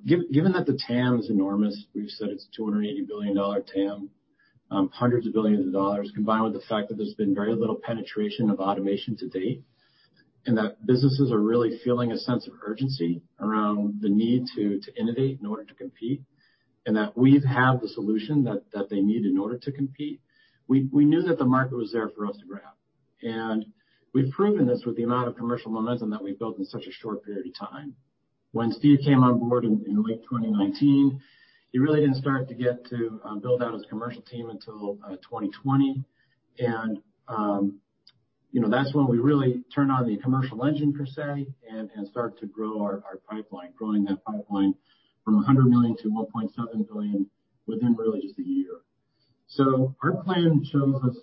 Given that the TAM is enormous, we've said it's a $280 billion TAM, hundreds of billions of dollars, combined with the fact that there's been very little penetration of automation to date and that businesses are really feeling a sense of urgency around the need to innovate in order to compete and that we have the solution that they need in order to compete, we knew that the market was there for us to grab, and we've proven this with the amount of commercial momentum that we've built in such a short period of time. When Steve came on board in late 2019, he really didn't start to get to build out his commercial team until 2020, and that's when we really turned on the commercial engine, per se, and started to grow our pipeline, growing that pipeline from $100 million to $1.7 billion within really just a year. Our plan shows us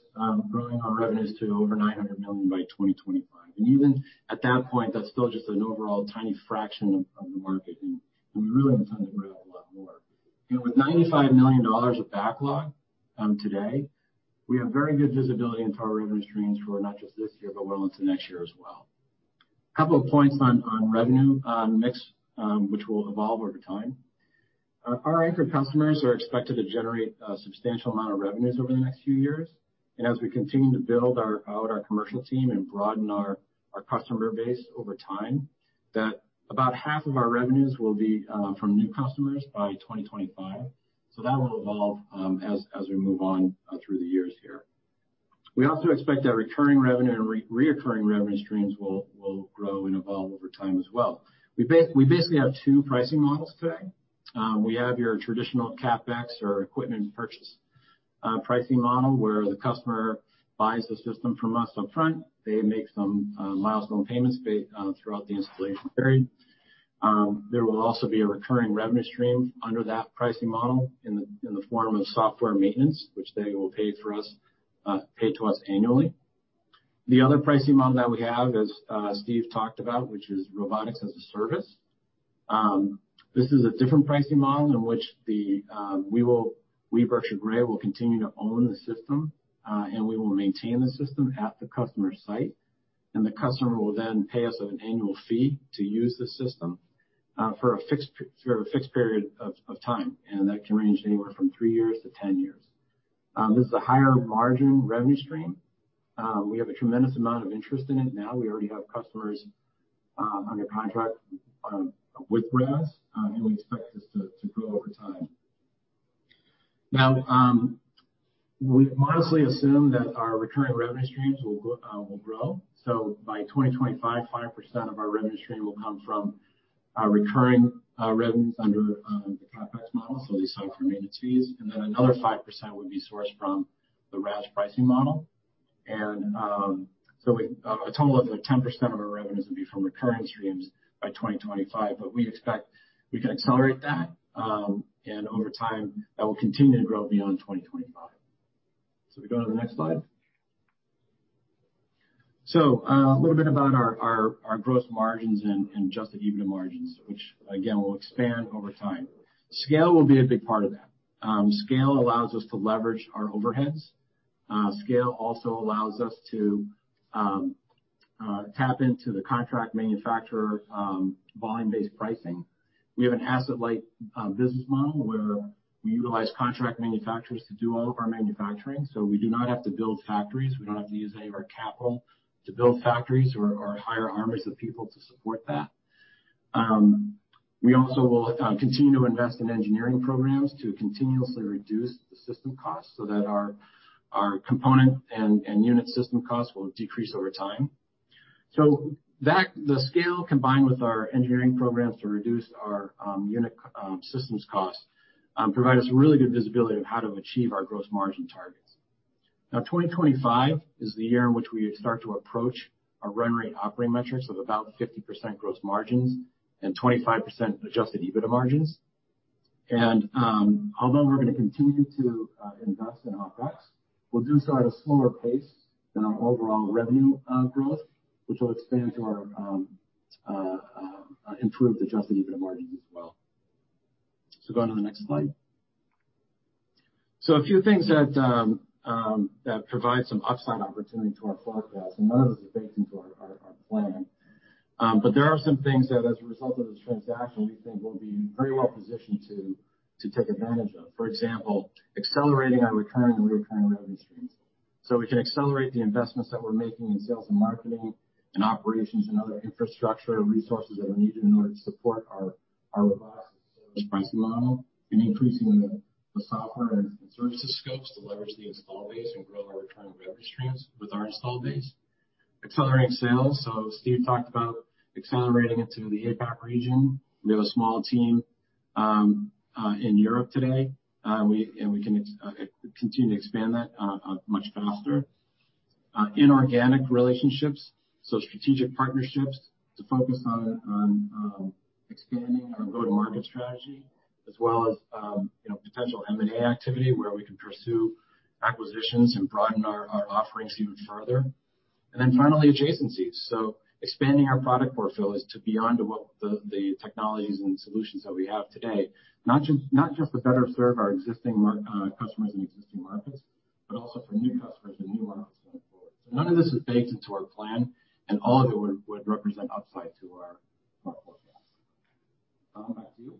growing our revenues to over $900 million by 2025. And even at that point, that's still just an overall tiny fraction of the market. And we really intend to grow a lot more. And with $95 million of backlog today, we have very good visibility into our revenue streams for not just this year, but well into next year as well. A couple of points on revenue mix, which will evolve over time. Our anchor customers are expected to generate a substantial amount of revenues over the next few years. And as we continue to build out our commercial team and broaden our customer base over time, that's about half of our revenues will be from new customers by 2025. So that will evolve as we move on through the years here. We also expect that recurring revenue and recurring revenue streams will grow and evolve over time as well. We basically have two pricing models today. We have your traditional CapEx or equipment purchase pricing model where the customer buys the system from us upfront. They make some milestone payments throughout the installation period. There will also be a recurring revenue stream under that pricing model in the form of software maintenance, which they will pay to us annually. The other pricing model that we have, as Steve talked about, which is Robotics as a Service. This is a different pricing model in which we will, we Berkshire Grey, will continue to own the system, and we will maintain the system at the customer's site, and the customer will then pay us an annual fee to use the system for a fixed period of time. That can range anywhere from three years to 10 years. This is a higher margin revenue stream. We have a tremendous amount of interest in it now. We already have customers under contract with RaaS, and we expect this to grow over time. Now, we modestly assume that our recurring revenue streams will grow. By 2025, 5% of our revenue stream will come from recurring revenues under the CapEx model, so these software maintenance fees. Another 5% would be sourced from the RaaS pricing model. A total of 10% of our revenues would be from recurring streams by 2025. We expect we can accelerate that. Over time, that will continue to grow beyond 2025. We go to the next slide. A little bit about our gross margins and just the EBITDA margins, which, again, will expand over time. Scale will be a big part of that. Scale allows us to leverage our overheads. Scale also allows us to tap into the contract manufacturer volume-based pricing. We have an asset-light business model where we utilize contract manufacturers to do all of our manufacturing. So we do not have to build factories. We don't have to use any of our capital to build factories or hire armies of people to support that. We also will continue to invest in engineering programs to continuously reduce the system costs so that our component and unit system costs will decrease over time. So the scale, combined with our engineering programs to reduce our unit systems costs, provides us really good visibility of how to achieve our gross margin targets. Now, 2025 is the year in which we start to approach our run rate operating metrics of about 50% gross margins and 25% Adjusted EBITDA margins. And although we're going to continue to invest in OpEx, we'll do so at a slower pace than our overall revenue growth, which will expand to our improved Adjusted EBITDA margins as well. So going to the next slide. So a few things that provide some upside opportunity to our forecast, and none of this is baked into our plan. But there are some things that, as a result of this transaction, we think we'll be very well positioned to take advantage of. For example, accelerating our recurring and recurring revenue streams. So we can accelerate the investments that we're making in sales and marketing and operations and other infrastructure resources that are needed in order to support our Robotics as a Service pricing model and increasing the software and services scopes to leverage the install base and grow our recurring revenue streams with our install base. Accelerating sales. So Steve talked about accelerating into the APAC region. We have a small team in Europe today, and we can continue to expand that much faster. Inorganic relationships, so strategic partnerships to focus on expanding our go-to-market strategy, as well as potential M&A activity where we can pursue acquisitions and broaden our offerings even further. And then finally, adjacencies. So expanding our product portfolios to beyond the technologies and solutions that we have today, not just to better serve our existing customers and existing markets, but also for new customers and new markets going forward. So none of this is baked into our plan, and all of it would represent upside to our forecast. Tom, back to you.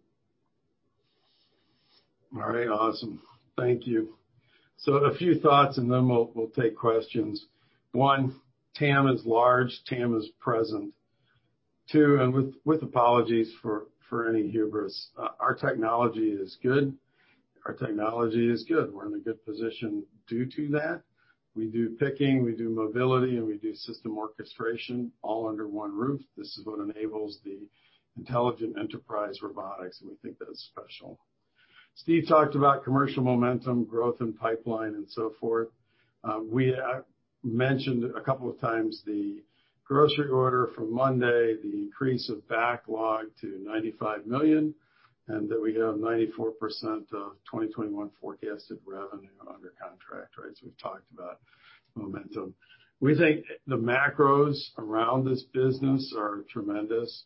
All right. Awesome. Thank you. So a few thoughts, and then we'll take questions. One, TAM is large. TAM is present. Two, and with apologies for any hubris, our technology is good. Our technology is good. We're in a good position due to that. We do picking, we do mobility, and we do system orchestration all under one roof. This is what enables the Intelligent Enterprise Robotics, and we think that's special. Steve talked about commercial momentum, growth in pipeline, and so forth. We mentioned a couple of times the grocery order from Monday, the increase of backlog to $95 million, and that we have 94% of 2021 forecasted revenue under contract, right? So we've talked about momentum. We think the macros around this business are tremendous.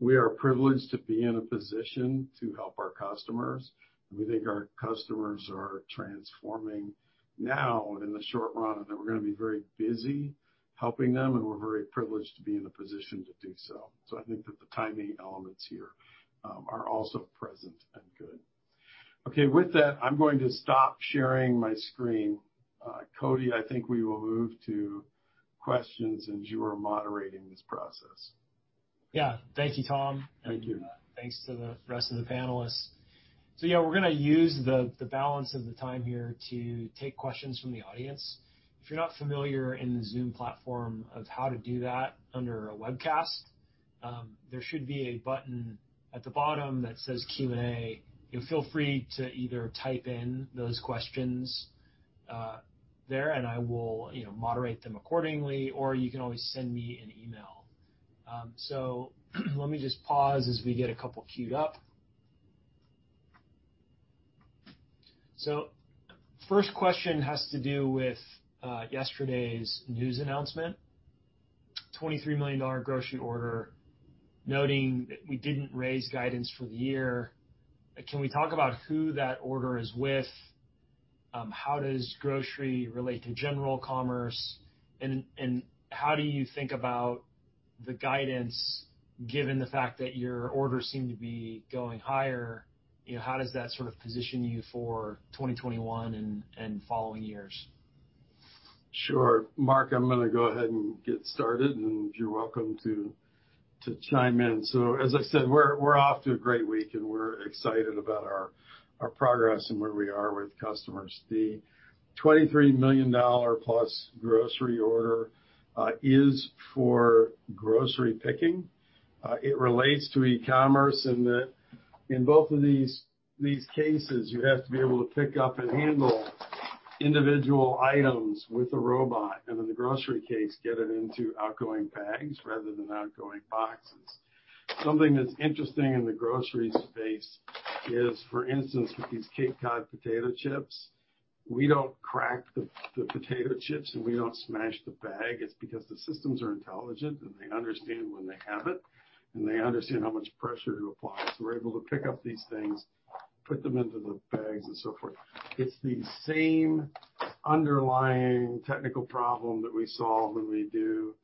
We are privileged to be in a position to help our customers. We think our customers are transforming now in the short run, and that we're going to be very busy helping them, and we're very privileged to be in a position to do so. So I think that the timing elements here are also present and good. Okay. With that, I'm going to stop sharing my screen. Cody, I think we will move to questions as you are moderating this process. Yeah. Thank you, Tom. And thanks to the rest of the panelists. So yeah, we're going to use the balance of the time here to take questions from the audience. If you're not familiar in the Zoom platform of how to do that under a webcast, there should be a button at the bottom that says Q&A. Feel free to either type in those questions there, and I will moderate them accordingly, or you can always send me an email. So let me just pause as we get a couple queued up. So first question has to do with yesterday's news announcement: $23 million grocery order noting that we didn't raise guidance for the year. Can we talk about who that order is with? How does grocery relate to general commerce? And how do you think about the guidance, given the fact that your orders seem to be going higher? How does that sort of position you for 2021 and following years? Sure. Mark, I'm going to go ahead and get started, and you're welcome to chime in. So as I said, we're off to a great week, and we're excited about our progress and where we are with customers. The $23 million plus grocery order is for grocery picking. It relates to e-commerce in that in both of these cases, you have to be able to pick up and handle individual items with a robot. And in the grocery case, get it into outgoing bags rather than outgoing boxes. Something that's interesting in the grocery space is, for instance, with these Cape Cod Potato Chips, we don't crack the potato chips, and we don't smash the bag. It's because the systems are intelligent, and they understand when they have it, and they understand how much pressure to apply. So we're able to pick up these things, put them into the bags, and so forth. It's the same underlying technical problem that we solve when we do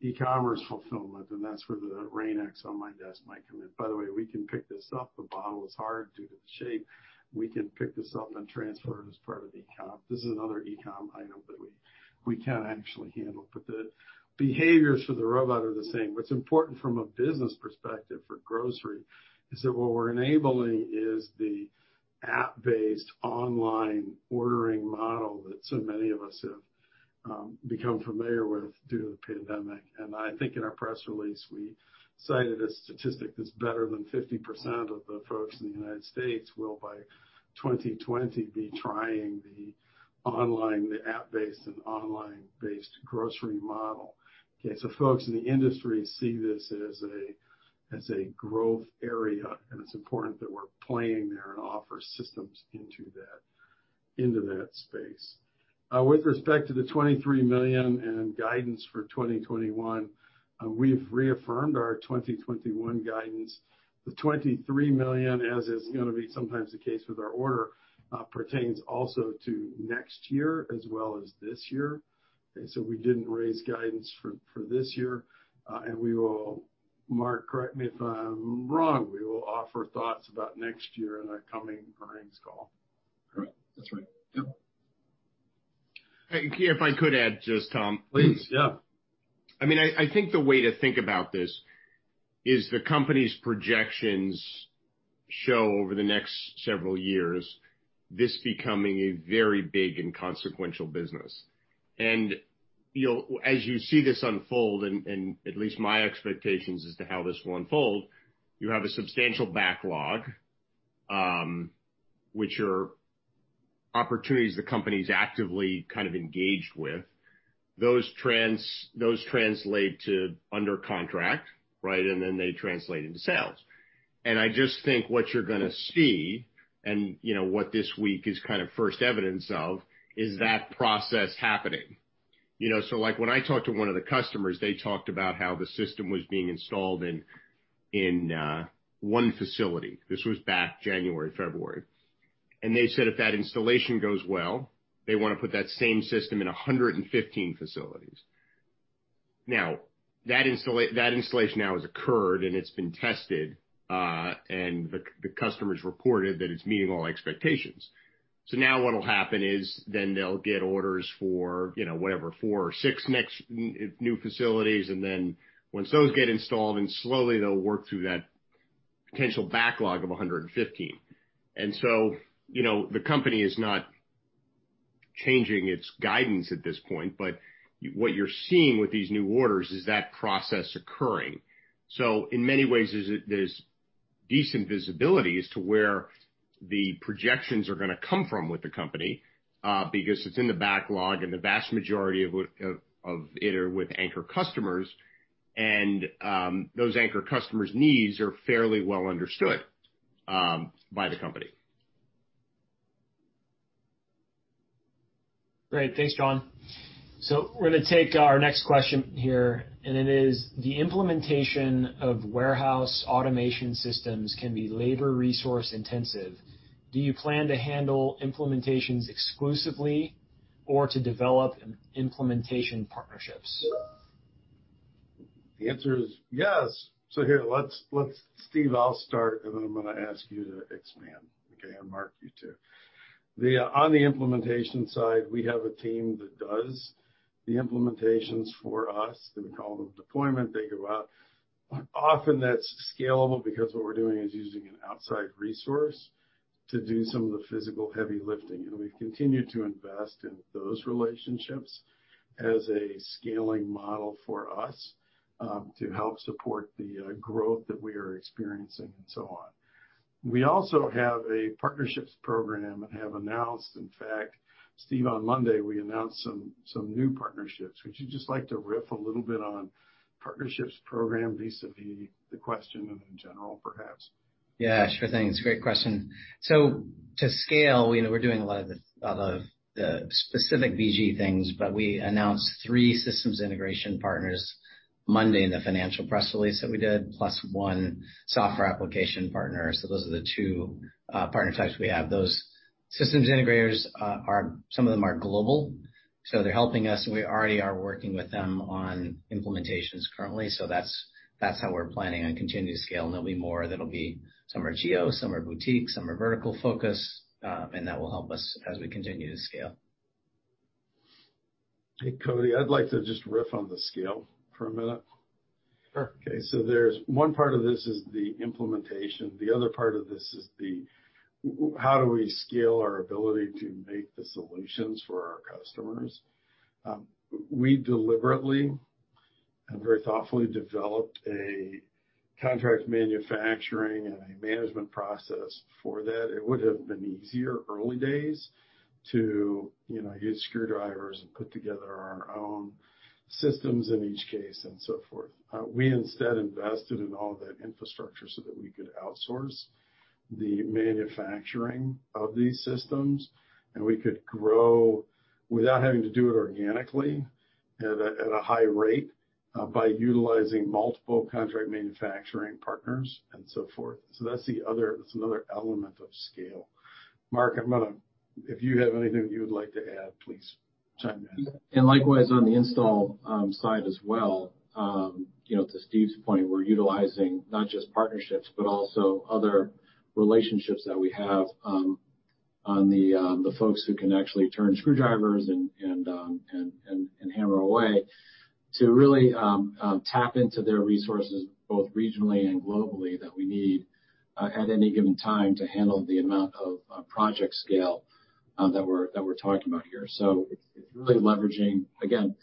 e-commerce fulfillment, and that's where the Rain-X on my desk might come in. By the way, we can pick this up. The bottle is hard due to the shape. We can pick this up and transfer it as part of the e-com. This is another e-com item that we can actually handle. But the behaviors for the robot are the same. What's important from a business perspective for grocery is that what we're enabling is the app-based online ordering model that so many of us have become familiar with due to the pandemic. I think in our press release, we cited a statistic that's better than 50% of the folks in the United States will, by 2020, be trying the online, the app-based and online-based grocery model. Okay. So folks in the industry see this as a growth area, and it's important that we're playing there and offer systems into that space. With respect to the $23 million and guidance for 2021, we've reaffirmed our 2021 guidance. The $23 million, as is going to be sometimes the case with our order, pertains also to next year as well as this year. Okay. So we didn't raise guidance for this year. We will, Mark, correct me if I'm wrong, we will offer thoughts about next year in our coming earnings call. Correct. That's right. Yep. If I could add just, Tom, please. Yeah. I mean, I think the way to think about this is the company's projections show over the next several years this becoming a very big and consequential business, and as you see this unfold, and at least my expectations as to how this will unfold, you have a substantial backlog, which are opportunities the company's actively kind of engaged with. Those trends translate to under contract, right, and then they translate into sales, and I just think what you're going to see and what this week is kind of first evidence of is that process happening, so when I talked to one of the customers, they talked about how the system was being installed in one facility. This was back January, February, and they said if that installation goes well, they want to put that same system in 115 facilities. Now, that installation now has occurred, and it's been tested, and the customers reported that it's meeting all expectations. So now what'll happen is then they'll get orders for whatever, four or six new facilities, and then once those get installed, and slowly they'll work through that potential backlog of 115. And so the company is not changing its guidance at this point, but what you're seeing with these new orders is that process occurring. So in many ways, there's decent visibility as to where the projections are going to come from with the company because it's in the backlog, and the vast majority of it are with anchor customers. And those anchor customers' needs are fairly well understood by the company. Great. Thanks, John. So we're going to take our next question here, and it is, the implementation of warehouse automation systems can be labor-resource intensive. Do you plan to handle implementations exclusively or to develop implementation partnerships? The answer is yes. So here, let's, Steve, I'll start, and then I'm going to ask you to expand. Okay. And Mark, you too. On the implementation side, we have a team that does the implementations for us. We call them deployment. They go out. Often, that's scalable because what we're doing is using an outside resource to do some of the physical heavy lifting. And we've continued to invest in those relationships as a scaling model for us to help support the growth that we are experiencing and so on. We also have a partnerships program and have announced, in fact, Steve on Monday, we announced some new partnerships. Would you just like to riff a little bit on partnerships program vis-à-vis the question in general, perhaps? Yeah. Sure thing. It's a great question. So to scale, we're doing a lot of the specific BG things, but we announced three systems integration partners Monday in the financial press release that we did, plus one software application partner. So those are the two partner types we have. Those systems integrators, some of them are global, so they're helping us. We already are working with them on implementations currently. So that's how we're planning on continuing to scale, and there'll be more that'll be some are geo, some are boutique, some are vertical focus, and that will help us as we continue to scale. Hey, Cody, I'd like to just riff on the scale for a minute. Sure. Okay. So there's one part of this is the implementation. The other part of this is how do we scale our ability to make the solutions for our customers. We deliberately and very thoughtfully developed a contract manufacturing and a management process for that. It would have been easier early days to use screwdrivers and put together our own systems in each case and so forth. We instead invested in all of that infrastructure so that we could outsource the manufacturing of these systems, and we could grow without having to do it organically at a high rate by utilizing multiple contract manufacturing partners and so forth. So that's another element of scale. Mark, if you have anything you would like to add, please chime in. And likewise on the install side as well, to Steve's point, we're utilizing not just partnerships, but also other relationships that we have on the folks who can actually turn screwdrivers and hammer away to really tap into their resources both regionally and globally that we need at any given time to handle the amount of project scale that we're talking about here. So it's really leveraging, again,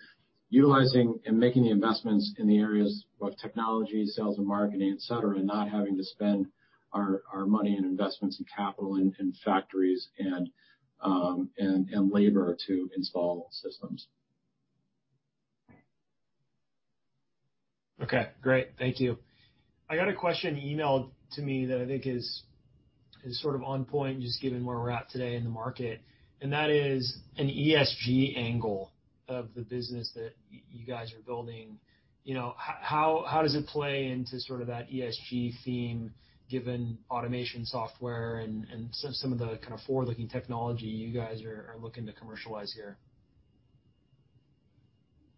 utilizing and making the investments in the areas of technology, sales, and marketing, etc., and not having to spend our money and investments and capital in factories and labor to install systems. Okay. Great. Thank you. I got a question emailed to me that I think is sort of on point just given where we're at today in the market. And that is an ESG angle of the business that you guys are building. How does it play into sort of that ESG theme given automation software and some of the kind of forward-looking technology you guys are looking to commercialize here?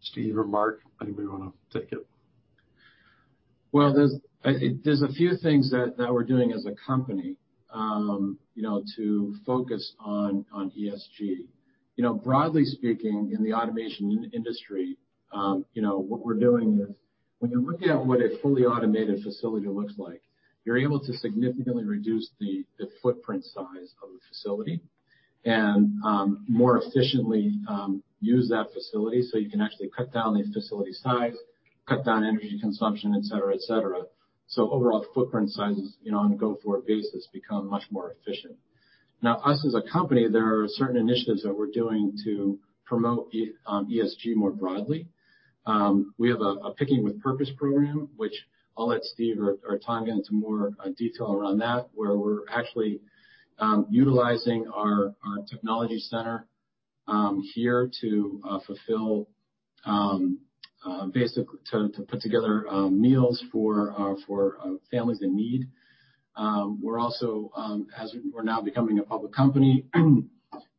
Steve or Mark, anybody want to take it? Well, there's a few things that we're doing as a company to focus on ESG. Broadly speaking, in the automation industry, what we're doing is when you look at what a fully automated facility looks like, you're able to significantly reduce the footprint size of the facility and more efficiently use that facility. So you can actually cut down the facility size, cut down energy consumption, etc., etc. So overall, footprint sizes on a go-forward basis become much more efficient. Now, us as a company, there are certain initiatives that we're doing to promote ESG more broadly. We have a Picking with Purpose program, which I'll let Steve or Tom get into more detail around that, where we're actually utilizing our technology center here to fulfill, basically to put together meals for families in need. We're also, as we're now becoming a public company,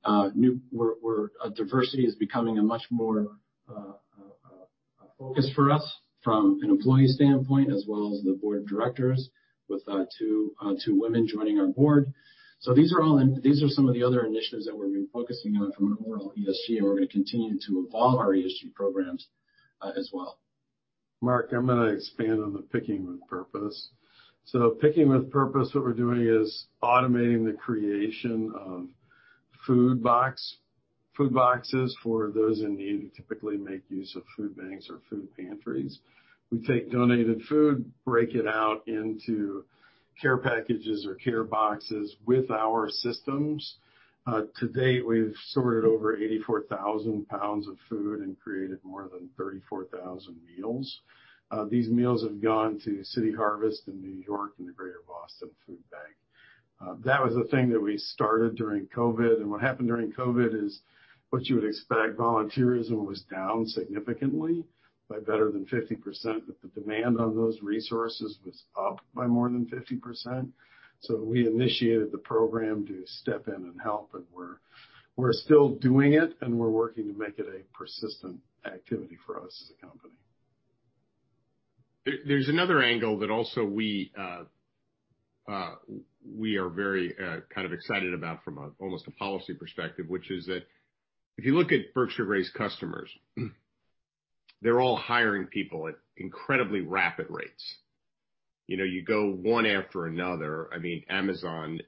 diversity is becoming a much more focus for us from an employee standpoint, as well as the board of directors with two women joining our board. So these are some of the other initiatives that we've been focusing on from an overall ESG, and we're going to continue to evolve our ESG programs as well. Mark, I'm going to expand on the Picking with Purpose. So Picking with Purpose, what we're doing is automating the creation of food boxes for those in need who typically make use of food banks or food pantries. We take donated food, break it out into care packages or care boxes with our systems. To date, we've sorted over 84,000 pounds of food and created more than 34,000 meals. These meals have gone to City Harvest in New York and the Greater Boston Food Bank. That was a thing that we started during COVID. And what happened during COVID is what you would expect. Volunteerism was down significantly by better than 50%, but the demand on those resources was up by more than 50%. So we initiated the program to step in and help, and we're still doing it, and we're working to make it a persistent activity for us as a company. There's another angle that also we are very kind of excited about from almost a policy perspective, which is that if you look at Berkshire Grey customers, they're all hiring people at incredibly rapid rates. You go one after another. I mean, Amazon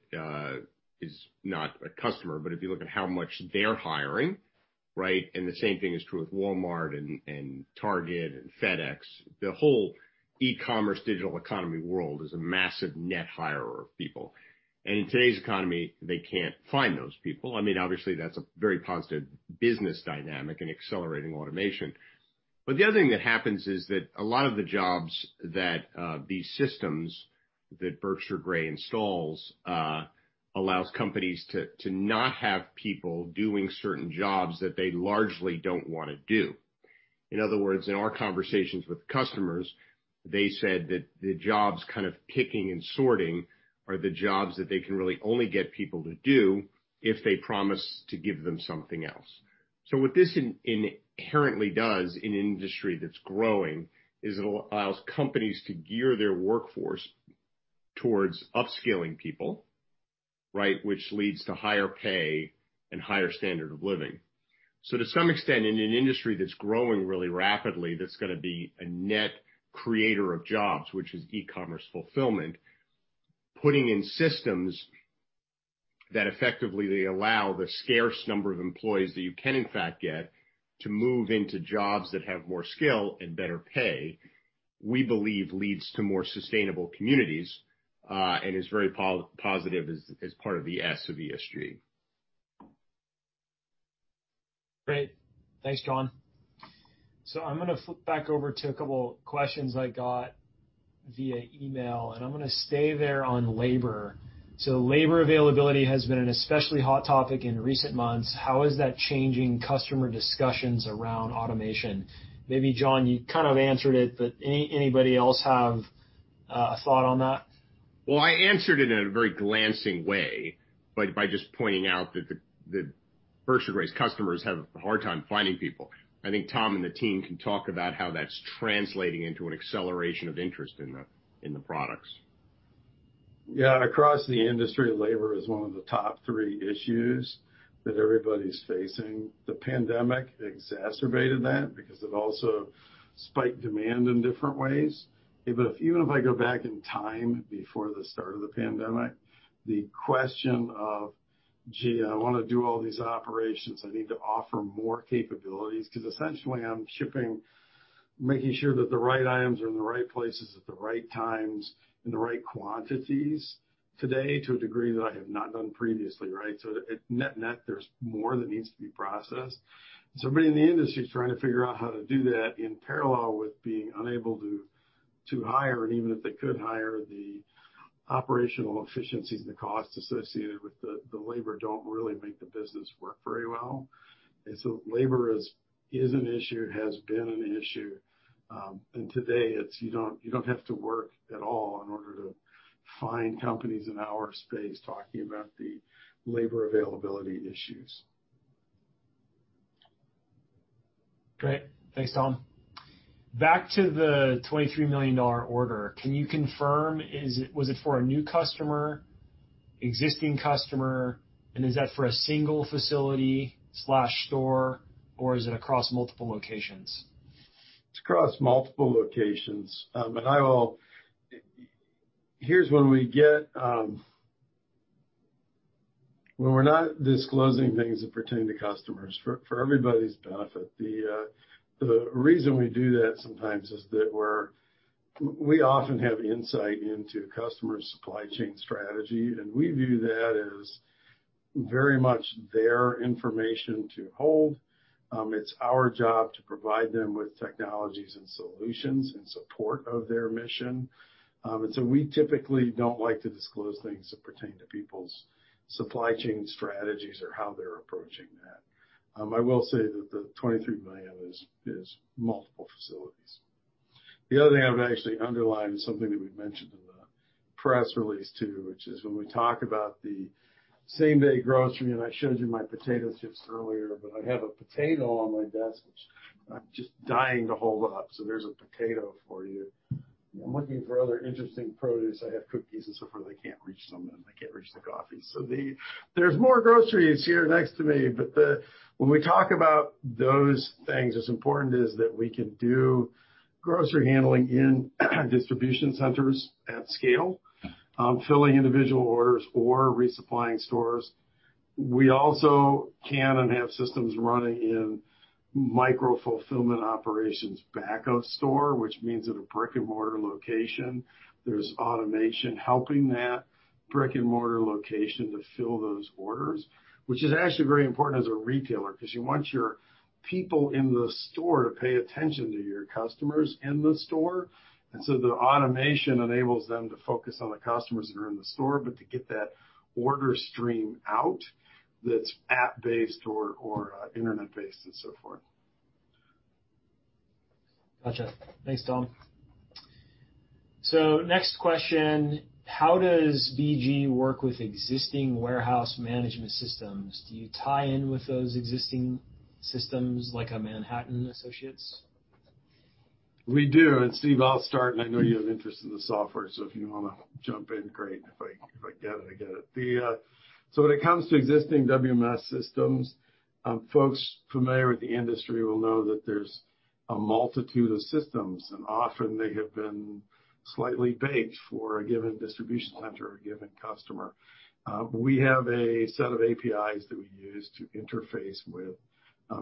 is not a customer, but if you look at how much they're hiring, right? And the same thing is true with Walmart and Target and FedEx. The whole e-commerce digital economy world is a massive net hirer of people. And in today's economy, they can't find those people. I mean, obviously, that's a very positive business dynamic in accelerating automation. But the other thing that happens is that a lot of the jobs that these systems that Berkshire Grey installs allows companies to not have people doing certain jobs that they largely don't want to do. In other words, in our conversations with customers, they said that the jobs kind of picking and sorting are the jobs that they can really only get people to do if they promise to give them something else. So what this inherently does in an industry that's growing is it allows companies to gear their workforce towards upskilling people, right, which leads to higher pay and higher standard of living. So to some extent, in an industry that's growing really rapidly, that's going to be a net creator of jobs, which is e-commerce fulfillment, putting in systems that effectively allow the scarce number of employees that you can, in fact, get to move into jobs that have more skill and better pay, we believe leads to more sustainable communities and is very positive as part of the S of ESG. Great. Thanks, John. So I'm going to flip back over to a couple of questions I got via email, and I'm going to stay there on labor. So labor availability has been an especially hot topic in recent months. How is that changing customer discussions around automation? Maybe, John, you kind of answered it, but anybody else have a thought on that? Well, I answered it in a very glancing way by just pointing out that the Berkshire Grey customers have a hard time finding people. I think Tom and the team can talk about how that's translating into an acceleration of interest in the products. Yeah. Across the industry, labor is one of the top three issues that everybody's facing. The pandemic exacerbated that because it also spiked demand in different ways. Even if I go back in time before the start of the pandemic, the question of, "Gee, I want to do all these operations. I need to offer more capabilities because essentially I'm making sure that the right items are in the right places at the right times in the right quantities today to a degree that I have not done previously," right? So net net, there's more that needs to be processed. So everybody in the industry is trying to figure out how to do that in parallel with being unable to hire. And even if they could hire, the operational efficiencies and the costs associated with the labor don't really make the business work very well. And so labor is an issue, has been an issue. And today, you don't have to work at all in order to find companies in our space talking about the labor availability issues. Great. Thanks, Tom. Back to the $23 million order. Can you confirm, was it for a new customer, existing customer, and is that for a single facility/store, or is it across multiple locations? It's across multiple locations. And here's when we get, when we're not disclosing things that pertain to customers. For everybody's benefit, the reason we do that sometimes is that we often have insight into customers' supply chain strategy, and we view that as very much their information to hold. It's our job to provide them with technologies and solutions in support of their mission, and so we typically don't like to disclose things that pertain to people's supply chain strategies or how they're approaching that. I will say that the $23 million is multiple facilities. The other thing I would actually underline is something that we've mentioned in the press release too, which is when we talk about the same-day grocery, and I showed you my potato chips earlier, but I have a potato on my desk, which I'm just dying to hold up, so there's a potato for you. I'm looking for other interesting produce. I have cookies and so forth. I can't reach them, and I can't reach the coffee, so there's more groceries here next to me. But when we talk about those things, what's important is that we can do grocery handling in distribution centers at scale, filling individual orders or resupplying stores. We also can and have systems running in micro-fulfillment operations back of store, which means at a brick-and-mortar location. There's automation helping that brick-and-mortar location to fill those orders, which is actually very important as a retailer because you want your people in the store to pay attention to your customers in the store, and so the automation enables them to focus on the customers that are in the store, but to get that order stream out that's app-based or internet-based and so forth. Gotcha. Thanks, Tom, so next question. How does BG work with existing warehouse management systems? Do you tie in with those existing systems like Manhattan Associates? We do. And Steve, I'll start, and I know you have interest in the software, so if you want to jump in, great. If I get it, I get it. So when it comes to existing WMS systems, folks familiar with the industry will know that there's a multitude of systems, and often they have been slightly baked for a given distribution center or a given customer. We have a set of APIs that we use to interface with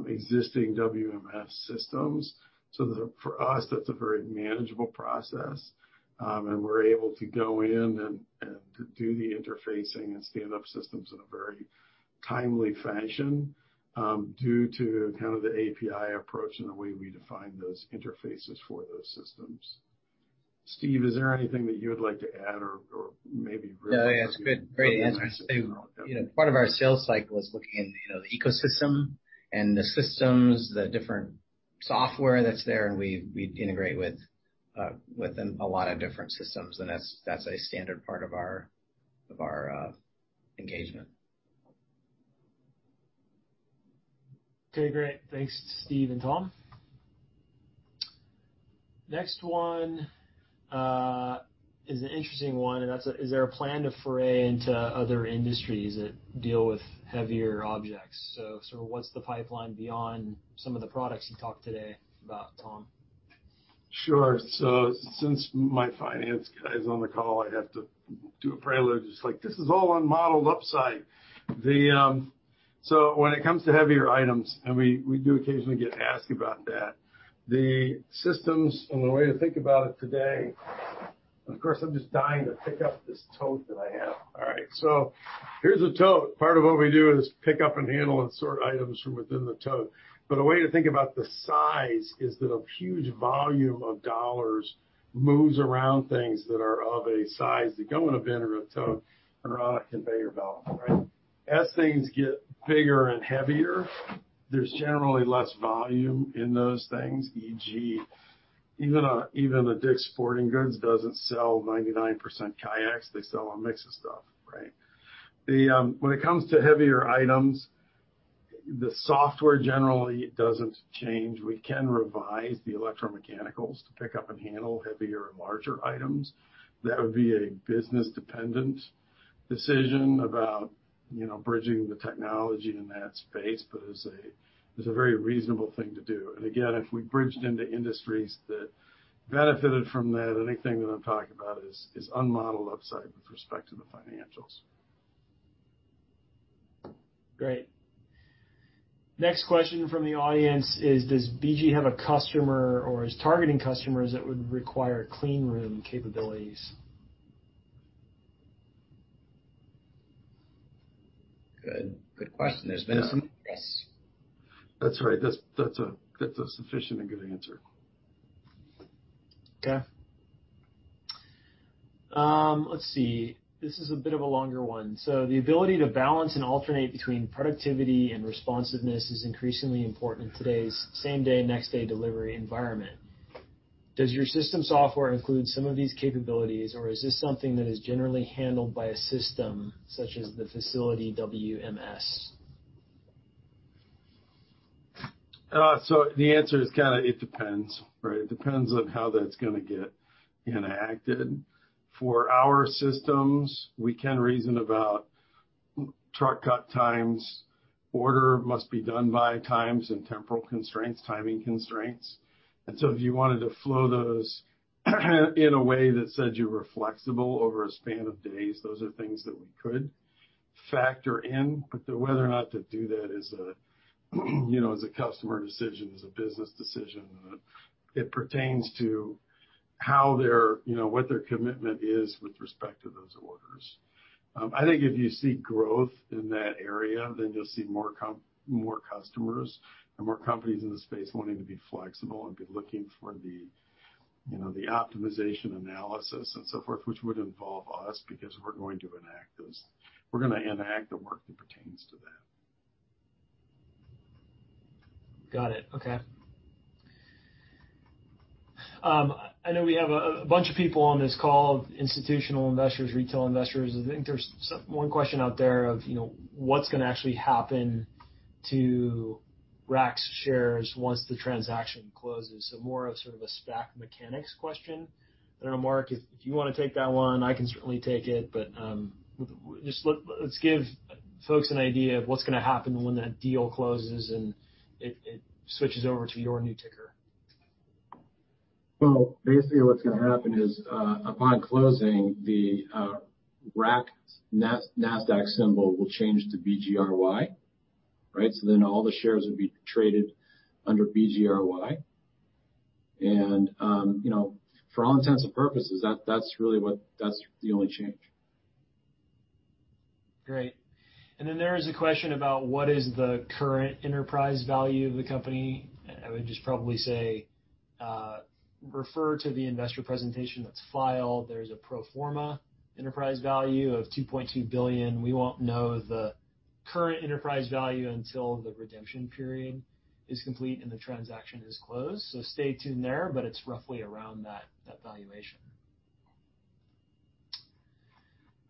existing WMS systems. So for us, that's a very manageable process, and we're able to go in and do the interfacing and stand-up systems in a very timely fashion due to kind of the API approach and the way we define those interfaces for those systems. Steve, is there anything that you would like to add or maybe really? Yeah. Yeah. That's a great answer. Part of our sales cycle is looking at the ecosystem and the systems, the different software that's there, and we integrate with them a lot of different systems, and that's a standard part of our engagement. Okay. Great. Thanks, Steve and Tom. Next one is an interesting one, and that's, "Is there a plan to foray into other industries that deal with heavier objects?" So sort of what's the pipeline beyond some of the products you talked today about, Tom? Sure. So since my finance guy is on the call, I have to do a prelude. It's like, "This is all on modeled upside." So when it comes to heavier items, and we do occasionally get asked about that, the systems and the way to think about it today, of course, I'm just dying to pick up this tote that I have. All right. So here's a tote. Part of what we do is pick up and handle and sort items from within the tote. But a way to think about the size is that a huge volume of dollars moves around things that are of a size that go in a bin or a tote or on a conveyor belt, right? As things get bigger and heavier, there's generally less volume in those things, e.g., even a Dick's Sporting Goods doesn't sell 99% kayaks. They sell a mix of stuff, right? When it comes to heavier items, the software generally doesn't change. We can revise the electromechanicals to pick up and handle heavier and larger items. That would be a business-dependent decision about bridging the technology in that space, but it's a very reasonable thing to do. Again, if we bridged into industries that benefited from that, anything that I'm talking about is unmodeled upside with respect to the financials. Great. Next question from the audience is, "Does BG have a customer or is targeting customers that would require clean room capabilities?" Good question. There's been a, yes. That's right. That's a sufficient and good answer. Okay. Let's see. This is a bit of a longer one. The ability to balance and alternate between productivity and responsiveness is increasingly important in today's same-day, next-day delivery environment. Does your system software include some of these capabilities, or is this something that is generally handled by a system such as the facility WMS? The answer is kind of it depends, right? It depends on how that's going to get enacted. For our systems, we can reason about truck cut times, order must be done by times and temporal constraints, timing constraints, and so if you wanted to flow those in a way that said you were flexible over a span of days, those are things that we could factor in, but whether or not to do that is a customer decision, is a business decision, and it pertains to what their commitment is with respect to those orders. I think if you see growth in that area, then you'll see more customers and more companies in the space wanting to be flexible and be looking for the optimization analysis and so forth, which would involve us because we're going to enact those. We're going to enact the work that pertains to that. Got it. Okay. I know we have a bunch of people on this call, institutional investors, retail investors. I think there's one question out there of what's going to actually happen to RAAC's shares once the transaction closes. So more of sort of a SPAC mechanics question. I don't know, Mark, if you want to take that one, I can certainly take it, but let's give folks an idea of what's going to happen when that deal closes and it switches over to your new ticker. Well, basically, what's going to happen is upon closing, the RAAC's NASDAQ symbol will change to BGRY, right? So then all the shares will be traded under BGRY. And for all intents and purposes, that's really what that's the only change. Great. And then there is a question about what is the current enterprise value of the company. I would just probably say refer to the investor presentation that's filed. There's a pro forma enterprise value of $2.2 billion. We won't know the current enterprise value until the redemption period is complete and the transaction is closed, so stay tuned there, but it's roughly around that valuation.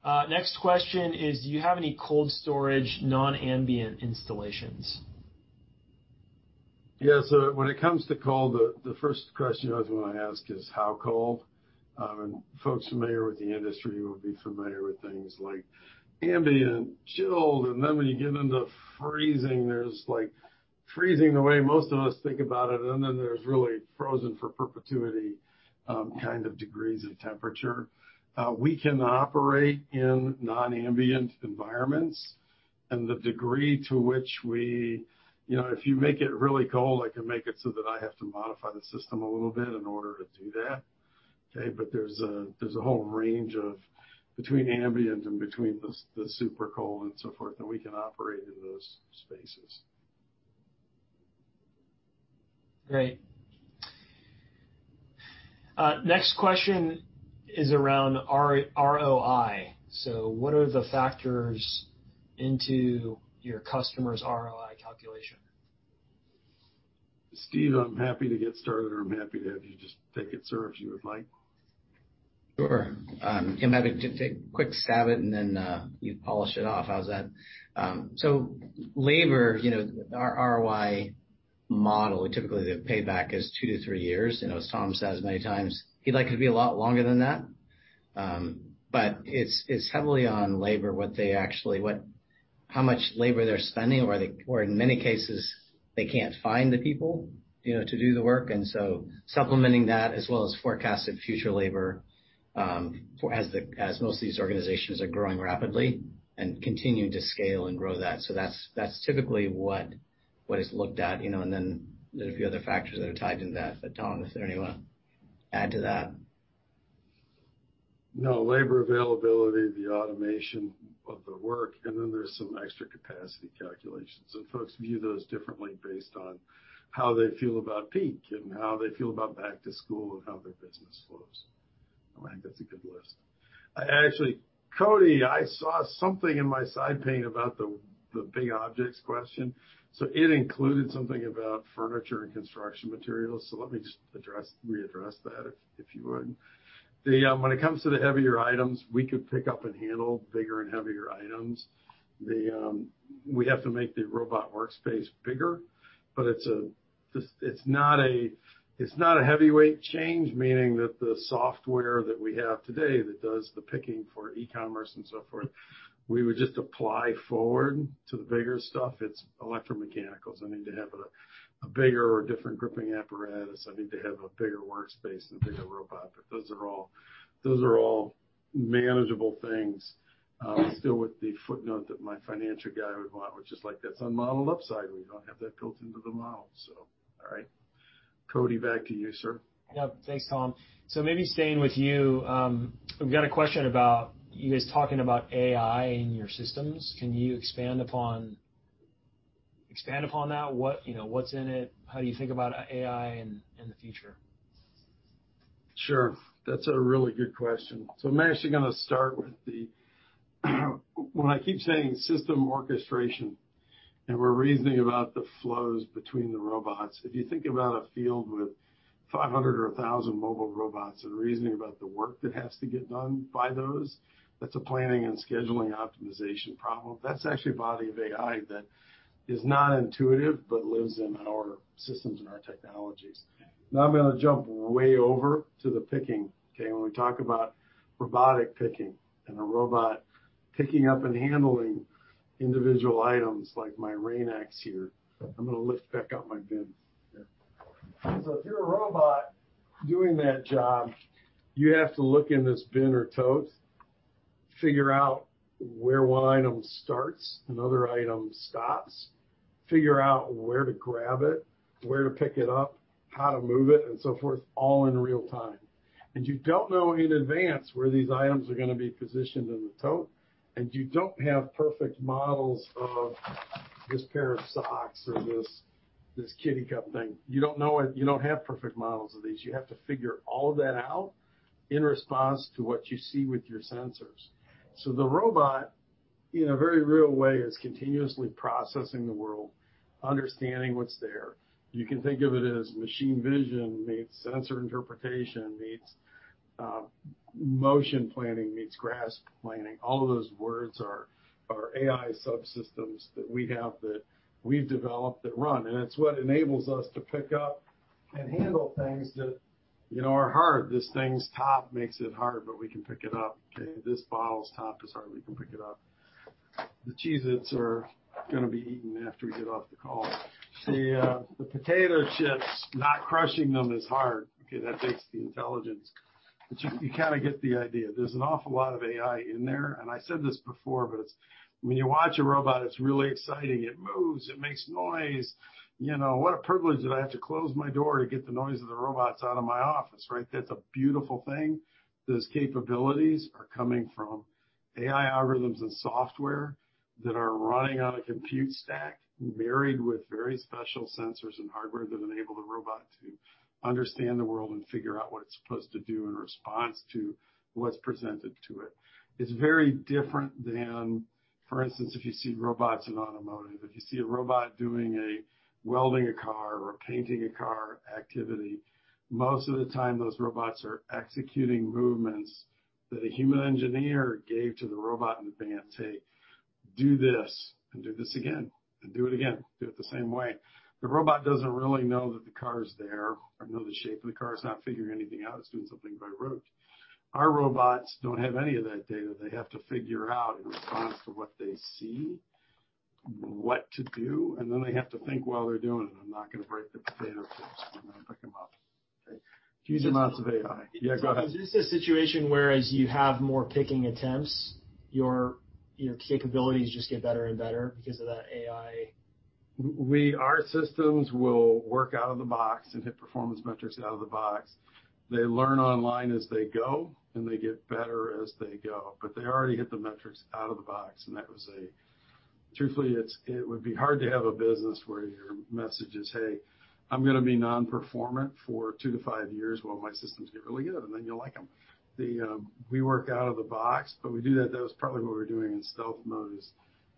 Next question is, "Do you have any cold storage non-ambient installations?" Yeah, so when it comes to cold, the first question I was going to ask is how cold, and folks familiar with the industry will be familiar with things like ambient, chilled, and then when you get into freezing, there's freezing the way most of us think about it, and then there's really frozen for perpetuity kind of degrees of temperature. We can operate in non-ambient environments, and the degree to which we, if you make it really cold, I can make it so that I have to modify the system a little bit in order to do that. Okay? But there's a whole range between ambient and the super cold and so forth that we can operate in those spaces. Great. Next question is around ROI. So what are the factors into your customer's ROI calculation? Steve, I'm happy to get started, or I'm happy to have you just take it, sir, if you would like. Sure. I'm happy to take a quick stab at it, and then you polish it off. How's that? So labor, our ROI model, typically the payback is two to three years. As Tom says many times, he'd like it to be a lot longer than that. But it's heavily on labor, how much labor they're spending, or in many cases, they can't find the people to do the work. And so, supplementing that as well as forecasted future labor as most of these organizations are growing rapidly and continuing to scale and grow that. So that's typically what is looked at. And then there's a few other factors that are tied into that. But Tom, if there's anyone add to that? No. Labor availability, the automation of the work, and then there's some extra capacity calculations. And folks view those differently based on how they feel about peak and how they feel about back to school and how their business flows. I think that's a good list. Actually, Cody, I saw something in my side pane about the big objects question. So it included something about furniture and construction materials. So let me just readdress that if you would. When it comes to the heavier items, we could pick up and handle bigger and heavier items. We have to make the robot workspace bigger, but it's not a heavyweight change, meaning that the software that we have today that does the picking for e-commerce and so forth, we would just apply forward to the bigger stuff. It's electromechanicals. I need to have a bigger or different gripping apparatus. I need to have a bigger workspace and a bigger robot. But those are all manageable things. Still with the footnote that my financial guy would want, which is like, "That's unmodeled upside. We don't have that built into the model." So, all right. Cody, back to you, sir. Yep. Thanks, Tom. So maybe staying with you, we've got a question about you guys talking about AI in your systems. Can you expand upon that? What's in it? How do you think about AI in the future? Sure. That's a really good question. So I'm actually going to start with when I keep saying system orchestration, and we're reasoning about the flows between the robots, if you think about a field with 500 or 1,000 mobile robots and reasoning about the work that has to get done by those, that's a planning and scheduling optimization problem. That's actually a body of AI that is not intuitive but lives in our systems and our technologies. Now I'm going to jump way over to the picking. Okay? When we talk about robotic picking and a robot picking up and handling individual items like my Rain-X here, I'm going to lift back up my bin. So if you're a robot doing that job, you have to look in this bin or tote, figure out where one item starts, another item stops, figure out where to grab it, where to pick it up, how to move it, and so forth, all in real time. And you don't know in advance where these items are going to be positioned in the tote, and you don't have perfect models of this pair of socks or this K-Cup thing. You don't know it. You don't have perfect models of these. You have to figure all of that out in response to what you see with your sensors. So the robot, in a very real way, is continuously processing the world, understanding what's there. You can think of it as machine vision meets sensor interpretation meets motion planning meets grasp planning. All of those words are AI subsystems that we have that we've developed that run, and it's what enables us to pick up and handle things that are hard. This thing's top makes it hard, but we can pick it up. Okay? This bottle's top is hard. We can pick it up. The cheese that's going to be eaten after we get off the call. The potato chips, not crushing them is hard. Okay? That takes the intelligence, but you kind of get the idea. There's an awful lot of AI in there, and I said this before, but when you watch a robot, it's really exciting. It moves. It makes noise. What a privilege that I have to close my door to get the noise of the robots out of my office, right? That's a beautiful thing. Those capabilities are coming from AI algorithms and software that are running on a compute stack, married with very special sensors and hardware that enable the robot to understand the world and figure out what it's supposed to do in response to what's presented to it. It's very different than, for instance, if you see robots in automotive. If you see a robot doing a welding a car or a painting a car activity, most of the time, those robots are executing movements that a human engineer gave to the robot in advance. Hey, do this and do this again and do it again. Do it the same way. The robot doesn't really know that the car's there or know the shape of the car. It's not figuring anything out. It's doing something by rote. Our robots don't have any of that data. They have to figure out in response to what they see what to do, and then they have to think while they're doing it, "I'm not going to break the potato chips. I'm going to pick them up." Okay? Huge amounts of AI. Yeah. Go ahead. Is this a situation where, as you have more picking attempts, your capabilities just get better and better because of that AI? Our systems will work out of the box and hit performance metrics out of the box. They learn online as they go, and they get better as they go. But they already hit the metrics out of the box. And that was a, truthfully, it would be hard to have a business where your message is, "Hey, I'm going to be non-performant for two-to-five years while my systems get really good," and then you'll like them. We work out of the box, but we do that. That was probably what we're doing in stealth mode is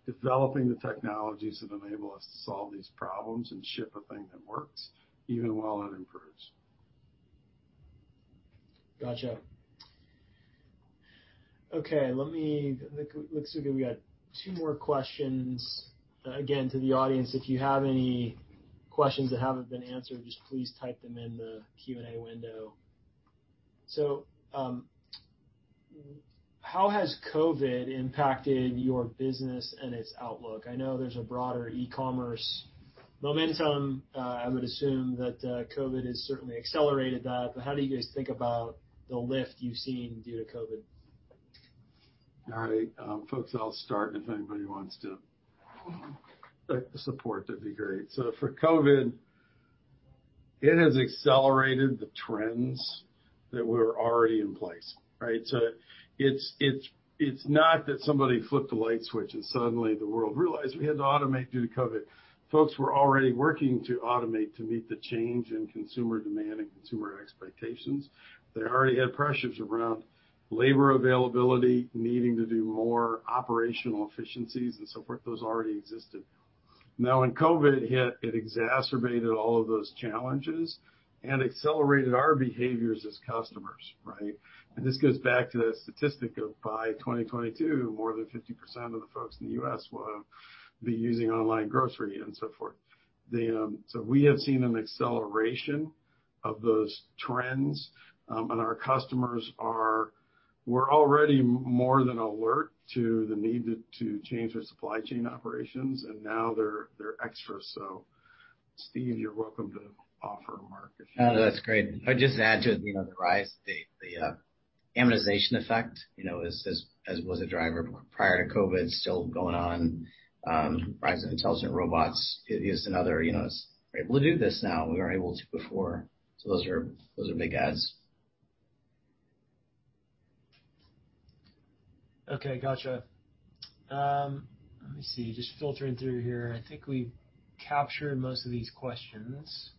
developing the technologies that enable us to solve these problems and ship a thing that works even while it improves. Gotcha. Okay. Looks like we got two more questions. Again, to the audience, if you have any questions that haven't been answered, just please type them in the Q&A window. So how has COVID impacted your business and its outlook? I know there's a broader e-commerce momentum. I would assume that COVID has certainly accelerated that. But how do you guys think about the lift you've seen due to COVID? All right. Folks, I'll start. If anybody wants to support, that'd be great. So for COVID, it has accelerated the trends that were already in place, right? So it's not that somebody flipped a light switch and suddenly the world realized we had to automate due to COVID. Folks were already working to automate to meet the change in consumer demand and consumer expectations. They already had pressures around labor availability, needing to do more operational efficiencies and so forth. Those already existed. Now, when COVID hit, it exacerbated all of those challenges and accelerated our behaviors as customers, right? And this goes back to that statistic of by 2022, more than 50% of the folks in the U.S. will be using online grocery and so forth. So we have seen an acceleration of those trends, and our customers were already more than alert to the need to change their supply chain operations, and now they're extra. So, Steve, you're welcome to offer, Mark. Oh, that's great. I'd just add to it the rise of the automation effect, as was a driver prior to COVID, still going on. Rise of intelligent robots is another. We're able to do this now. We weren't able to before. So those are big adds. Okay. Gotcha. Let me see. Just filtering through here. I think we captured most of these questions.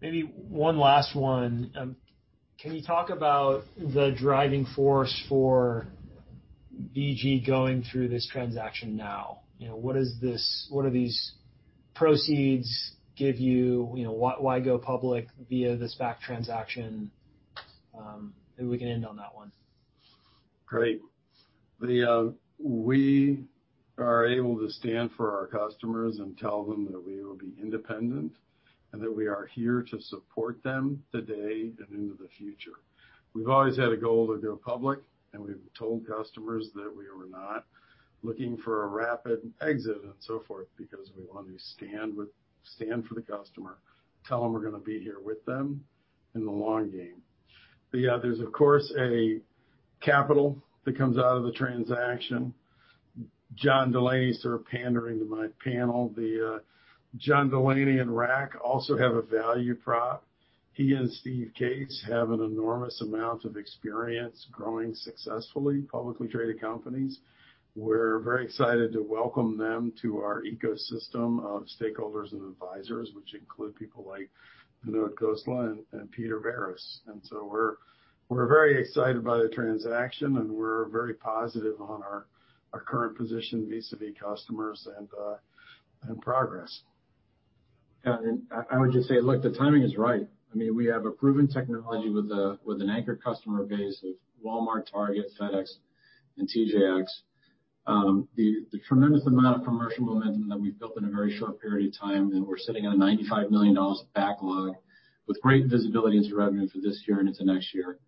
Maybe one last one. Can you talk about the driving force for BG going through this transaction now? What do these proceeds give you? Why go public via this SPAC transaction? Maybe we can end on that one. Great. We are able to stand for our customers and tell them that we will be independent and that we are here to support them today and into the future We've always had a goal to go public, and we've told customers that we were not looking for a rapid exit and so forth because we want to stand for the customer, tell them we're going to be here with them in the long game. But yeah, there's, of course, capital that comes out of the transaction. John Delaney, sir, pandering to my panel. The John Delaney and RAAC also have a value prop. He and Steve Case have an enormous amount of experience growing successfully publicly traded companies. We're very excited to welcome them to our ecosystem of stakeholders and advisors, which include people like Vinod Khosla and Peter Barris. And so we're very excited by the transaction, and we're very positive on our current position vis-à-vis customers and progress. Yeah. And I would just say, look, the timing is right. I mean, we have a proven technology with an anchor customer base of Walmart, Target, FedEx, and TJX. The tremendous amount of commercial momentum that we've built in a very short period of time, and we're sitting on a $95 million backlog with great visibility into revenue for this year and into next year.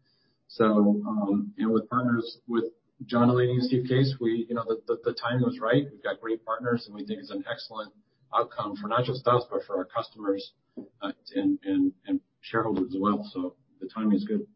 So with partners with John Delaney and Steve Case, the timing was right. We've got great partners, and we think it's an excellent outcome for not just us, but for our customers and shareholders as well. So the timing is good.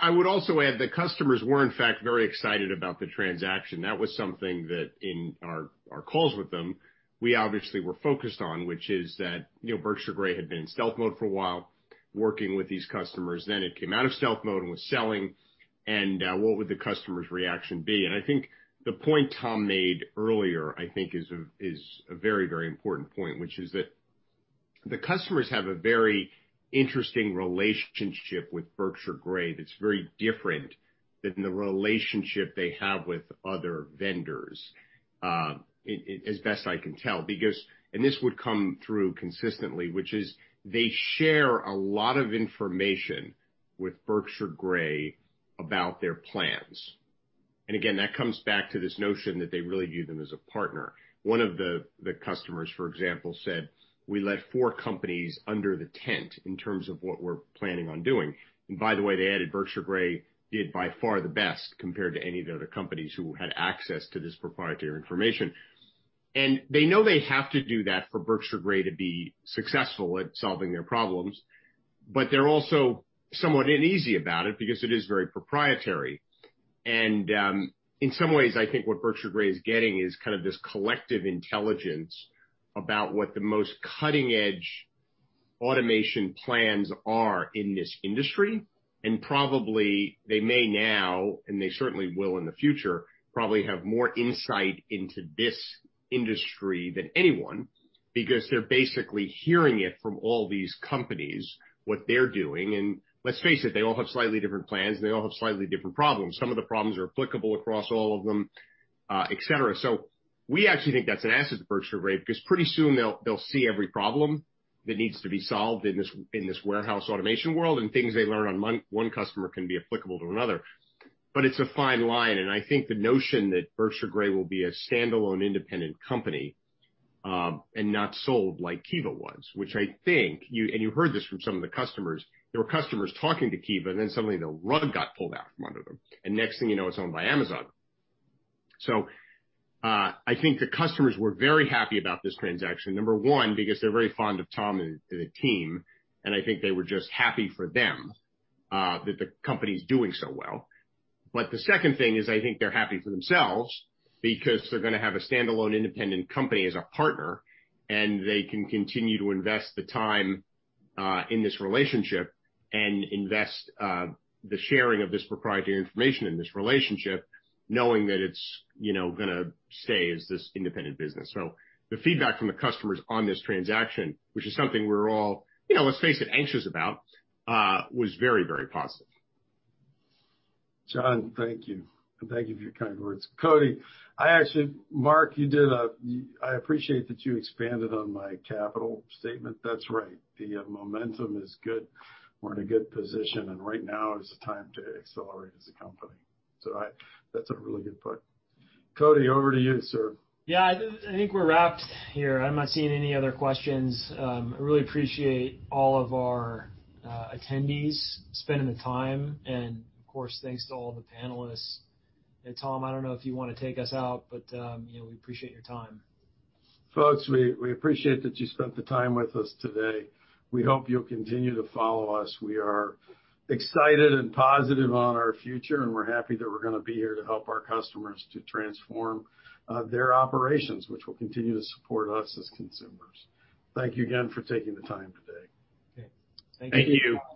I would also add the customers were, in fact, very excited about the transaction. That was something that, in our calls with them, we obviously were focused on, which is that Berkshire Grey had been in stealth mode for a while working with these customers. Then it came out of stealth mode and was selling. What would the customer's reaction be? I think the point Tom made earlier, I think, is a very, very important point, which is that the customers have a very interesting relationship with Berkshire Grey that's very different than the relationship they have with other vendors, as best I can tell. This would come through consistently, which is they share a lot of information with Berkshire Grey about their plans. Again, that comes back to this notion that they really view them as a partner. One of the customers, for example, said, "We let four companies under the tent in terms of what we're planning on doing." By the way, they added Berkshire Grey did by far the best compared to any of the other companies who had access to this proprietary information. They know they have to do that for Berkshire Grey to be successful at solving their problems, but they're also somewhat uneasy about it because it is very proprietary. And in some ways, I think what Berkshire Grey is getting is kind of this collective intelligence about what the most cutting-edge automation plans are in this industry. And probably they may now, and they certainly will in the future, probably have more insight into this industry than anyone because they're basically hearing it from all these companies, what they're doing. And let's face it, they all have slightly different plans, and they all have slightly different problems. Some of the problems are applicable across all of them, etc. So we actually think that's an asset to Berkshire Grey because pretty soon they'll see every problem that needs to be solved in this warehouse automation world, and things they learn on one customer can be applicable to another. But it's a fine line. And I think the notion that Berkshire Grey will be a standalone independent company and not sold like Kiva was, which I think—and you heard this from some of the customers—there were customers talking to Kiva, and then suddenly the rug got pulled out from under them. And next thing you know, it's owned by Amazon. So I think the customers were very happy about this transaction, number one, because they're very fond of Tom and the team, and I think they were just happy for them that the company's doing so well. But the second thing is I think they're happy for themselves because they're going to have a standalone independent company as a partner, and they can continue to invest the time in this relationship and invest the sharing of this proprietary information in this relationship, knowing that it's going to stay as this independent business. So the feedback from the customers on this transaction, which is something we're all, let's face it, anxious about, was very, very positive. John, thank you. And thank you for your kind words. Cody, I actually - Mark, you did a - I appreciate that you expanded on my capital statement. That's right. The momentum is good. We're in a good position. And right now is the time to accelerate as a company. So that's a really good point. Cody, over to you, sir. Yeah. I think we're wrapped here. I'm not seeing any other questions. I really appreciate all of our attendees spending the time. And of course, thanks to all the panelists. And Tom, I don't know if you want to take us out, but we appreciate your time. Folks, we appreciate that you spent the time with us today. We hope you'll continue to follow us. We are excited and positive on our future, and we're happy that we're going to be here to help our customers to transform their operations, which will continue to support us as consumers. Thank you again for taking the time today. Thank you. Thank you. Yeah.